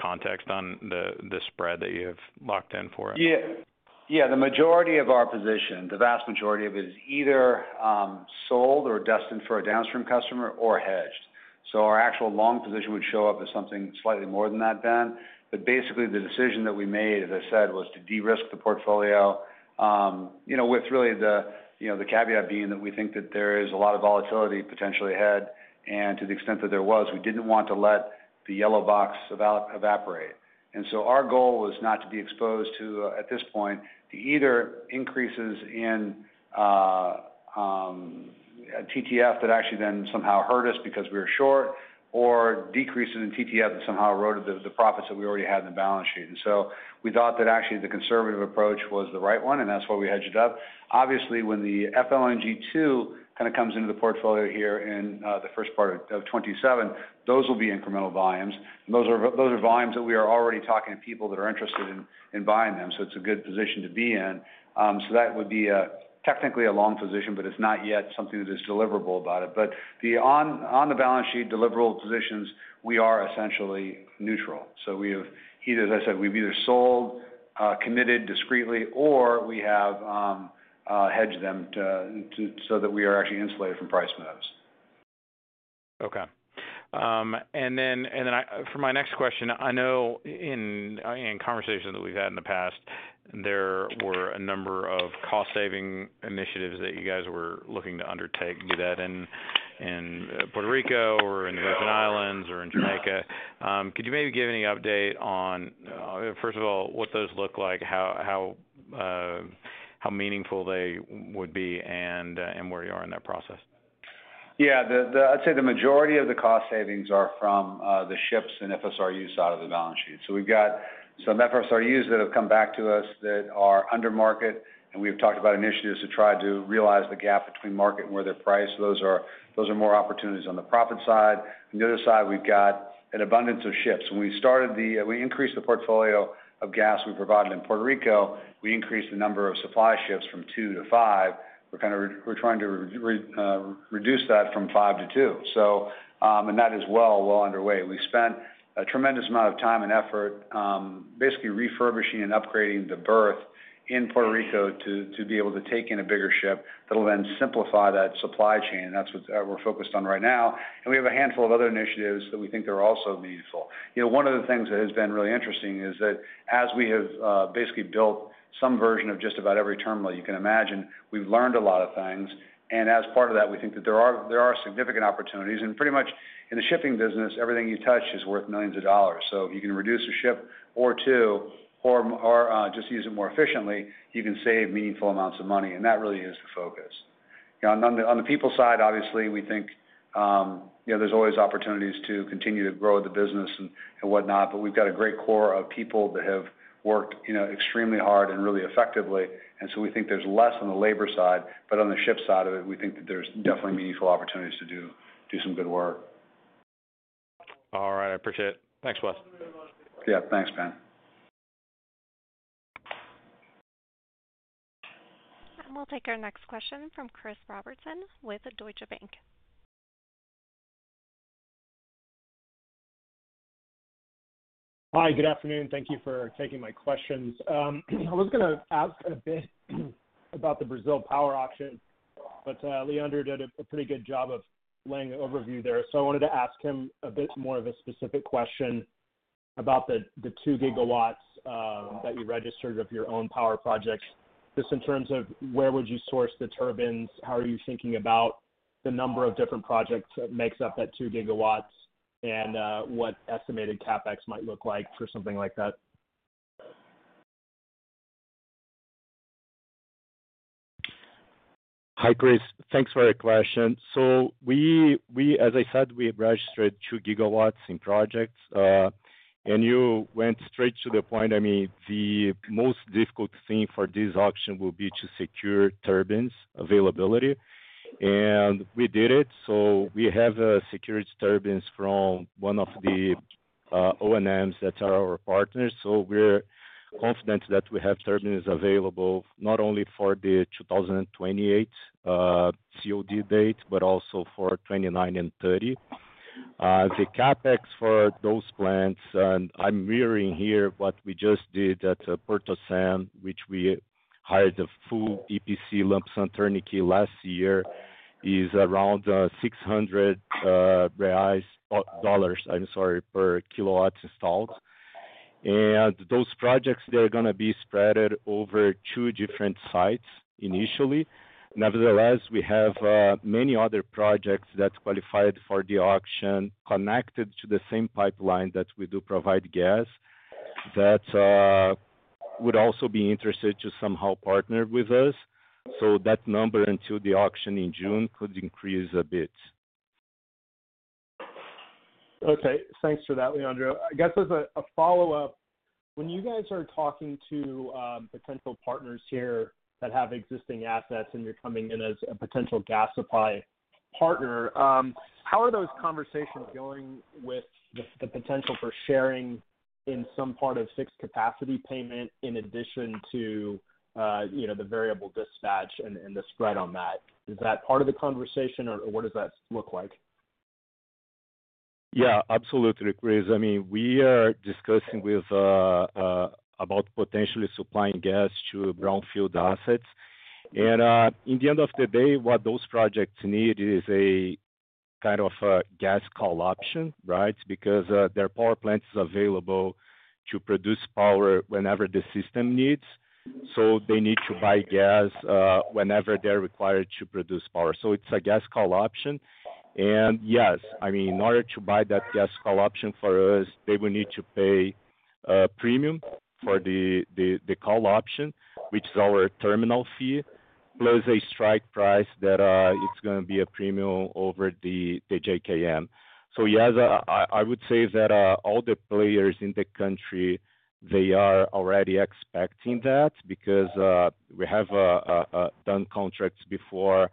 context on the spread that you have locked in for? Yeah. Yeah. The majority of our position, the vast majority of it, is either sold or destined for a downstream customer or hedged. Our actual long position would show up as something slightly more than that then. Basically, the decision that we made, as I said, was to de-risk the portfolio with really the caveat being that we think that there is a lot of volatility potentially ahead. To the extent that there was, we did not want to let the yellow box evaporate. Our goal was not to be exposed to, at this point, either increases in TTF that actually then somehow hurt us because we were short, or decreases in TTF that somehow eroded the profits that we already had in the balance sheet. We thought that actually the conservative approach was the right one, and that's why we hedged it up. Obviously, when the FLNG 2 kind of comes into the portfolio here in the first part of 2027, those will be incremental volumes. Those are volumes that we are already talking to people that are interested in buying them, so it's a good position to be in. That would be technically a long position, but it's not yet something that is deliverable. On the balance sheet, deliverable positions, we are essentially neutral. We have, as I said, we've either sold, committed discreetly, or we have hedged them so that we are actually insulated from price moves. Okay. For my next question, I know in conversations that we've had in the past, there were a number of cost-saving initiatives that you guys were looking to undertake. Was that in Puerto Rico or in the Virgin Islands or in Jamaica? Could you maybe give any update on, first of all, what those look like, how meaningful they would be, and where you are in that process? Yeah. I'd say the majority of the cost savings are from the ships and FSRUs out of the balance sheet. We've got some FSRUs that have come back to us that are under market, and we've talked about initiatives to try to realize the gap between market and where they're priced. Those are more opportunities on the profit side. On the other side, we've got an abundance of ships. When we increased the portfolio of gas we provided in Puerto Rico, we increased the number of supply ships from two to five. We're trying to reduce that from five to two. That is well, well underway. We spent a tremendous amount of time and effort basically refurbishing and upgrading the berth in Puerto Rico to be able to take in a bigger ship that will then simplify that supply chain. That is what we're focused on right now. We have a handful of other initiatives that we think are also meaningful. One of the things that has been really interesting is that as we have basically built some version of just about every terminal you can imagine, we've learned a lot of things. As part of that, we think that there are significant opportunities. Pretty much in the shipping business, everything you touch is worth millions of dollars. If you can reduce a ship or two or just use it more efficiently, you can save meaningful amounts of money. That really is the focus. On the people side, obviously, we think there's always opportunities to continue to grow the business and whatnot, but we've got a great core of people that have worked extremely hard and really effectively. We think there's less on the labor side, but on the ship side of it, we think that there's definitely meaningful opportunities to do some good work. All right. I appreciate it. Thanks, Wes. Yeah. Thanks, Ben. We will take our next question from Chris Robertson with Deutsche Bank. Hi, good afternoon. Thank you for taking my questions. I was going to ask a bit about the Brazil power auction, but Leandro did a pretty good job of laying the overview there. I wanted to ask him a bit more of a specific question about the 2 GW that you registered of your own power projects. Just in terms of where would you source the turbines, how are you thinking about the number of different projects that makes up that 2 GW, and what estimated CapEx might look like for something like that? Hi, Chris. Thanks for the question. As I said, we have registered 2 GW in projects. You went straight to the point. I mean, the most difficult thing for this auction will be to secure turbines availability. We did it. We have secured turbines from one of the O&Ms that are our partners. We are confident that we have turbines available not only for the 2028 COD date, but also for 2029 and 2030. The CapEx for those plants, and I am mirroring here what we just did at PortoCem, which we hired the full EPC lump sum turnkey last year, is around $600, I am sorry, per kilowatt installed. Those projects are going to be spread over two different sites initially. Nevertheless, we have many other projects that qualified for the auction connected to the same pipeline that we do provide gas that would also be interested to somehow partner with us. That number until the auction in June could increase a bit. Okay. Thanks for that, Leandro. I guess as a follow-up, when you guys are talking to potential partners here that have existing assets and you're coming in as a potential gas supply partner, how are those conversations going with the potential for sharing in some part of fixed capacity payment in addition to the variable dispatch and the spread on that? Is that part of the conversation, or what does that look like? Yeah, absolutely, Chris. I mean, we are discussing about potentially supplying gas to brownfield assets. In the end of the day, what those projects need is a kind of a gas call option, right? Because their power plant is available to produce power whenever the system needs. They need to buy gas whenever they're required to produce power. It is a gas call option. Yes, I mean, in order to buy that gas call option from us, they will need to pay a premium for the call option, which is our terminal fee, plus a strike price that is going to be a premium over the JKM. Yes, I would say that all the players in the country are already expecting that because we have done contracts before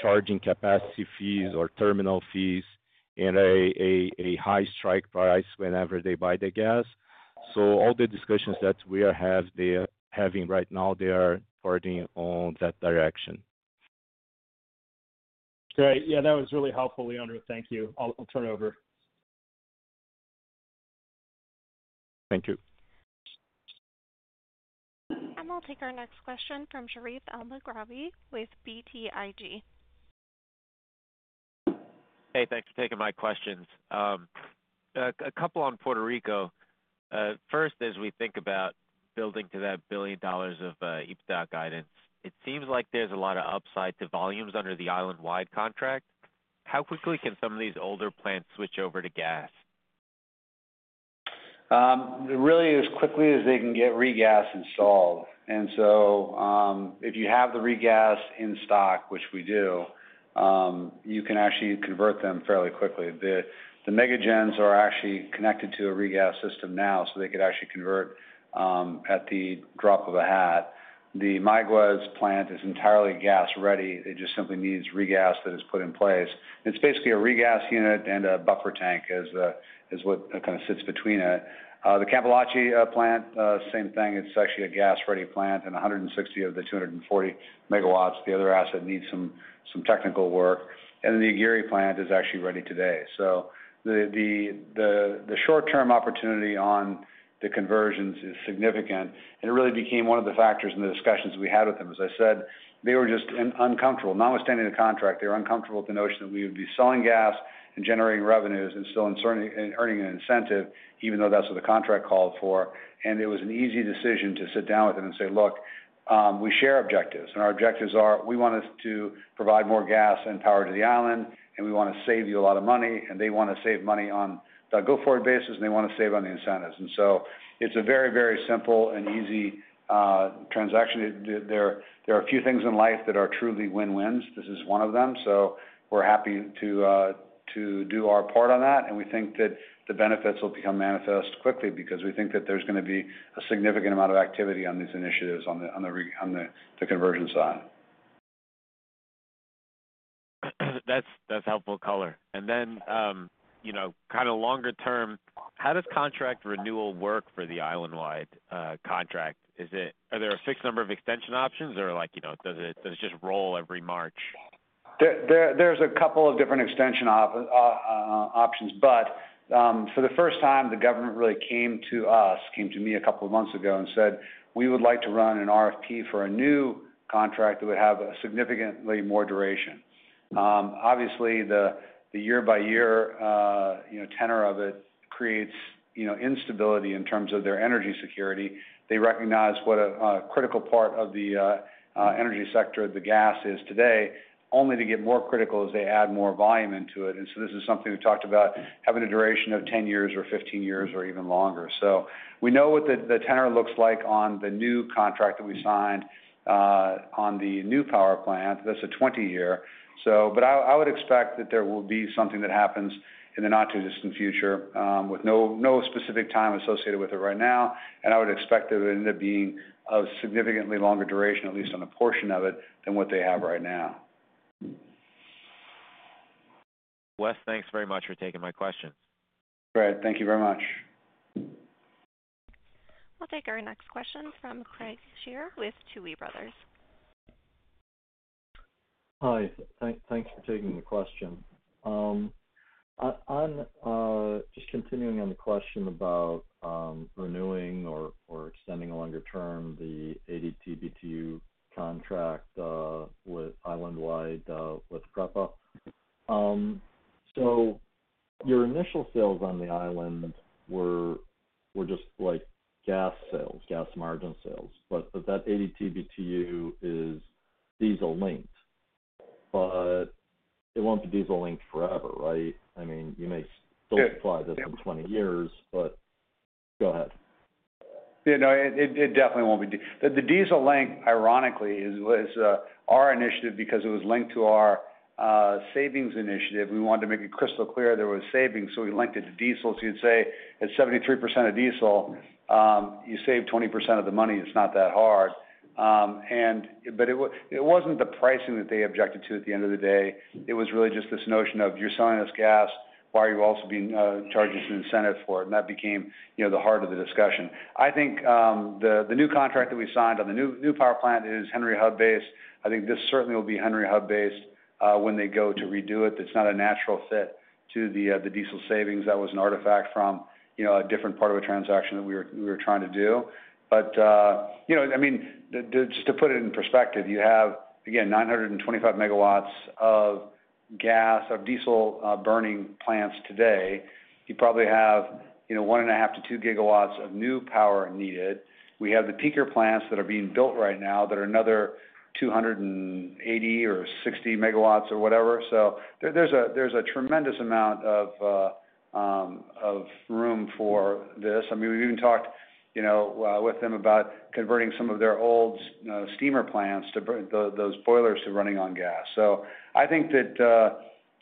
charging capacity fees or terminal fees and a high strike price whenever they buy the gas. All the discussions that we are having right now, they are parting on that direction. Great. Yeah, that was really helpful, Leandro. Thank you. I'll turn it over. Thank you. We will take our next question from Sherif Elmaghrabi with BTIG. Hey, thanks for taking my questions. A couple on Puerto Rico. First, as we think about building to that billion dollars of EBITDA guidance, it seems like there's a lot of upside to volumes under the island-wide contract. How quickly can some of these older plants switch over to gas? Really, as quickly as they can get regas installed. If you have the regas in stock, which we do, you can actually convert them fairly quickly. The Mega Gens are actually connected to a regas system now, so they could actually convert at the drop of a hat. The Magwes plant is entirely gas ready. It just simply needs regas that is put in place. It is basically a regas unit and a buffer tank is what kind of sits between it. The Cambalache plant, same thing. It is actually a gas-ready plant and 160 MW of the 240 MW. The other asset needs some technical work. The Aguirre plant is actually ready today. The short-term opportunity on the conversions is significant. It really became one of the factors in the discussions we had with them. As I said, they were just uncomfortable, notwithstanding the contract. They were uncomfortable with the notion that we would be selling gas and generating revenues and still earning an incentive, even though that's what the contract called for. It was an easy decision to sit down with them and say, "Look, we share objectives. Our objectives are we want us to provide more gas and power to the island, and we want to save you a lot of money." They want to save money on the go-forward basis, and they want to save on the incentives. It is a very, very simple and easy transaction. There are a few things in life that are truly win-wins. This is one of them. We are happy to do our part on that. We think that the benefits will become manifest quickly because we think that there's going to be a significant amount of activity on these initiatives on the conversion side. That's helpful color. And then kind of longer term, how does contract renewal work for the island-wide contract? Are there a fixed number of extension options, or does it just roll every March? are a couple of different extension options. For the first time, the government really came to us, came to me a couple of months ago and said, "We would like to run an RFP for a new contract that would have significantly more duration." Obviously, the year-by-year tenor of it creates instability in terms of their energy security. They recognize what a critical part of the energy sector the gas is today, only to get more critical as they add more volume into it. This is something we talked about, having a duration of 10 years or 15 years or even longer. We know what the tenor looks like on the new contract that we signed on the new power plant. That is a 20-year. I would expect that there will be something that happens in the not-too-distant future with no specific time associated with it right now. I would expect that it would end up being of significantly longer duration, at least on a portion of it, than what they have right now. Wes, thanks very much for taking my questions. Great. Thank you very much. We'll take our next question from Craig Shere with Tuohy Brothers. Hi. Thanks for taking the question. Just continuing on the question about renewing or extending a longer term, the ADT/BTU contract with island-wide with PREPA. Your initial sales on the island were just gas sales, gas margin sales. That ADTBtu is diesel linked. It will not be diesel linked forever, right? I mean, you may still supply this in 20 years, but go ahead. Yeah. No, it definitely won't be the diesel link. Ironically, it was our initiative because it was linked to our savings initiative. We wanted to make it crystal clear there was savings. So we linked it to diesel. You'd say at 73% of diesel, you save 20% of the money. It's not that hard. It wasn't the pricing that they objected to at the end of the day. It was really just this notion of, "You're selling us gas. Why are you also charging us an incentive for it?" That became the heart of the discussion. I think the new contract that we signed on the new power plant is Henry Hub-based. I think this certainly will be Henry Hub-based when they go to redo it. It's not a natural fit to the diesel savings. That was an artifact from a different part of a transaction that we were trying to do. I mean, just to put it in perspective, you have, again, 925 MW of diesel-burning plants today. You probably have 1.5 GW-2 GW of new power needed. We have the peaker plants that are being built right now that are another 280 or 60 MW or whatever. There is a tremendous amount of room for this. I mean, we've even talked with them about converting some of their old steamer plants, those boilers, to running on gas. I think that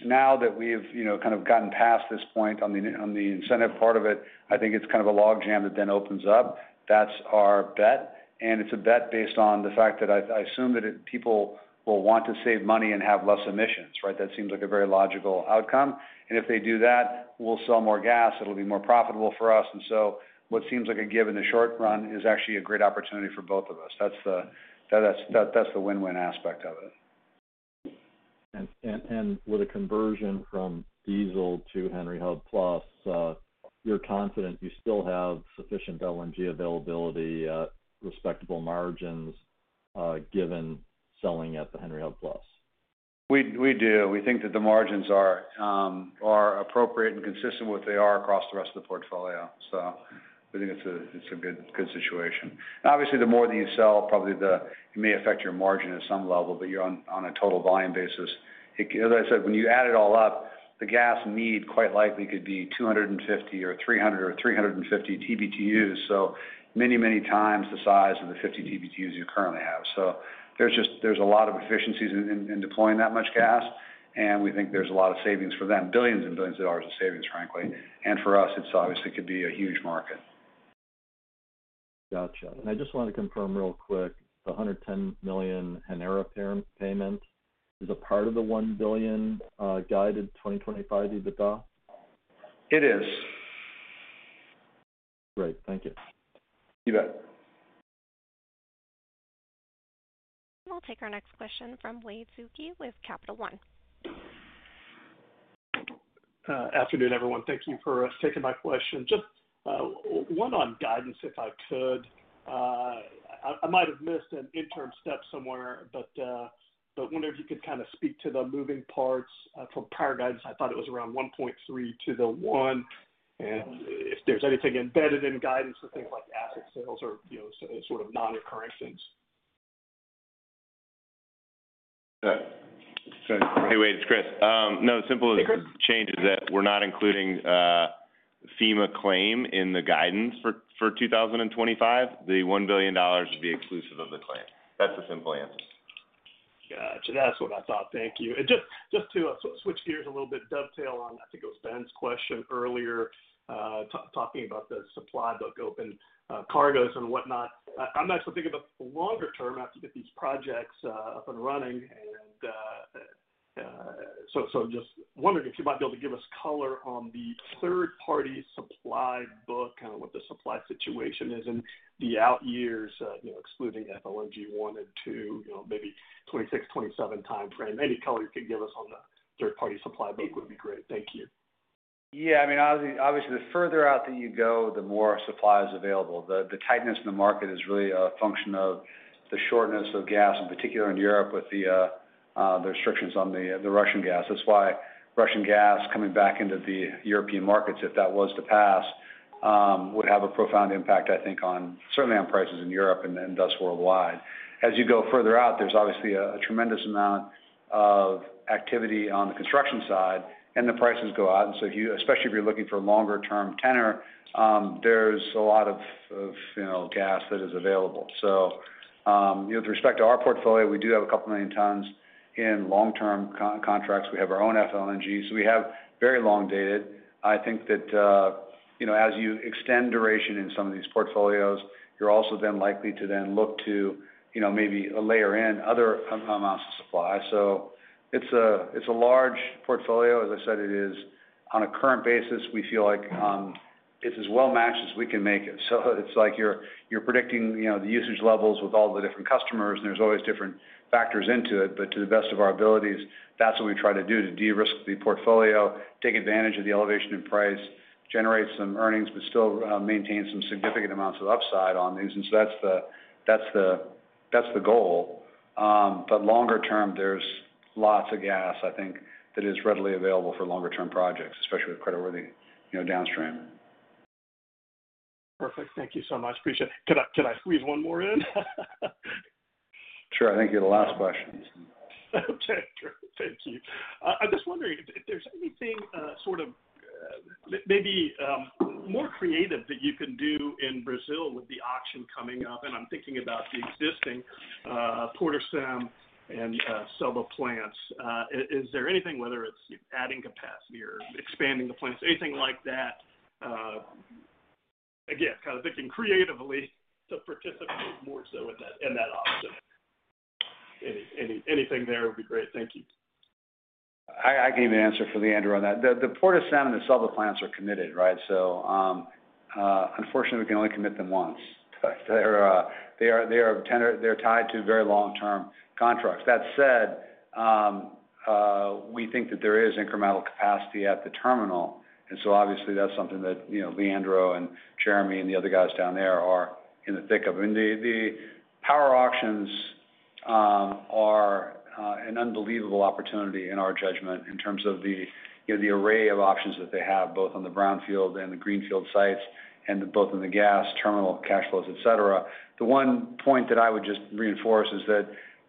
now that we've kind of gotten past this point on the incentive part of it, I think it's kind of a logjam that then opens up. That's our bet. It is a bet based on the fact that I assume that people will want to save money and have less emissions, right? That seems like a very logical outcome. If they do that, we will sell more gas. It will be more profitable for us. What seems like a give in the short run is actually a great opportunity for both of us. That is the win-win aspect of it. With a conversion from diesel to Henry Hub Plus, you're confident you still have sufficient LNG availability, respectable margins given selling at the Henry Hub Plus? We do. We think that the margins are appropriate and consistent with what they are across the rest of the portfolio. I think it's a good situation. Obviously, the more that you sell, probably it may affect your margin at some level, but you're on a total volume basis. As I said, when you add it all up, the gas need quite likely could be 250 or 300 or 350 TBtus, so many, many times the size of the 50 TBtus you currently have. There are a lot of efficiencies in deploying that much gas. We think there's a lot of savings for them, billions and billions of dollars of savings, frankly. For us, it obviously could be a huge market. Gotcha. I just wanted to confirm real quick, the $110 million Genera payment is a part of the $1 billion guided 2025 EBITDA? It is. Great. Thank you. You bet. We'll take our next question from Wade Suki with Capital One. Afternoon, everyone. Thank you for taking my question. Just one on guidance, if I could. I might have missed an interim step somewhere, but wonder if you could kind of speak to the moving parts from prior guidance. I thought it was around $1.3 billion to the $1 billion. If there's anything embedded in guidance for things like asset sales or sort of non-occurring things. Hey, Wade, it's Chris. No, as simple as the change is that we're not including FEMA claim in the guidance for 2025. The $1 billion would be exclusive of the claim. That's the simple answer. Gotcha. That's what I thought. Thank you. Just to switch gears a little bit, dovetail on, I think it was Ben's question earlier, talking about the supply book open cargos and whatnot. I'm actually thinking about the longer term after you get these projects up and running. Just wondering if you might be able to give us color on the third-party supply book, kind of what the supply situation is in the out years, excluding FLNG 1 and 2, maybe 2026, 2027 timeframe. Any color you could give us on the third-party supply book would be great. Thank you. Yeah. I mean, obviously, the further out that you go, the more supply is available. The tightness in the market is really a function of the shortness of gas, in particular in Europe with the restrictions on the Russian gas. That's why Russian gas coming back into the European markets, if that was to pass, would have a profound impact, I think, certainly on prices in Europe and thus worldwide. As you go further out, there's obviously a tremendous amount of activity on the construction side, and the prices go up. Especially if you're looking for a longer-term tenor, there's a lot of gas that is available. With respect to our portfolio, we do have a couple million tons in long-term contracts. We have our own FLNG. We have very long-dated. I think that as you extend duration in some of these portfolios, you're also then likely to then look to maybe layer in other amounts of supply. It is a large portfolio. As I said, on a current basis, we feel like it's as well matched as we can make it. It's like you're predicting the usage levels with all the different customers, and there are always different factors into it. To the best of our abilities, that's what we try to do, to de-risk the portfolio, take advantage of the elevation in price, generate some earnings, but still maintain some significant amounts of upside on these. That is the goal. Longer term, there is lots of gas, I think, that is readily available for longer-term projects, especially with credit-worthy downstream. Perfect. Thank you so much. Appreciate it. Can I squeeze one more in? Sure. I think you're the last question. Okay. Thank you. I'm just wondering if there's anything sort of maybe more creative that you can do in Brazil with the auction coming up. I'm thinking about the existing PortoCem and CELBA 2 plants. Is there anything, whether it's adding capacity or expanding the plants, anything like that? Again, kind of thinking creatively to participate more so in that auction. Anything there would be great. Thank you. I can give you the answer for the Ander on that. The PortoCem and the CELBA 2 plants are committed, right? Unfortunately, we can only commit them once. They are tied to very long-term contracts. That said, we think that there is incremental capacity at the terminal. Obviously, that's something that Leandro and Jeremy and the other guys down there are in the thick of. I mean, the power auctions are an unbelievable opportunity in our judgment in terms of the array of options that they have, both on the brownfield and the greenfield sites and both in the gas terminal cash flows, etc. The one point that I would just reinforce is that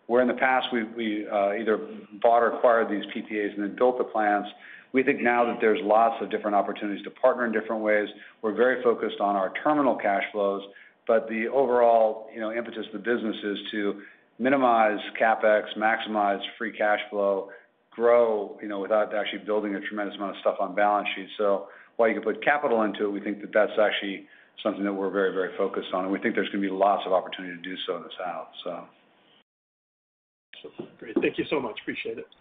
where in the past we either bought or acquired these PPAs and then built the plants, we think now that there's lots of different opportunities to partner in different ways. We're very focused on our terminal cash flows. The overall impetus of the business is to minimize CapEx, maximize free cash flow, grow without actually building a tremendous amount of stuff on balance sheets. While you can put capital into it, we think that that's actually something that we're very, very focused on. We think there's going to be lots of opportunity to do so in this house. Great. Thank you so much. Appreciate it.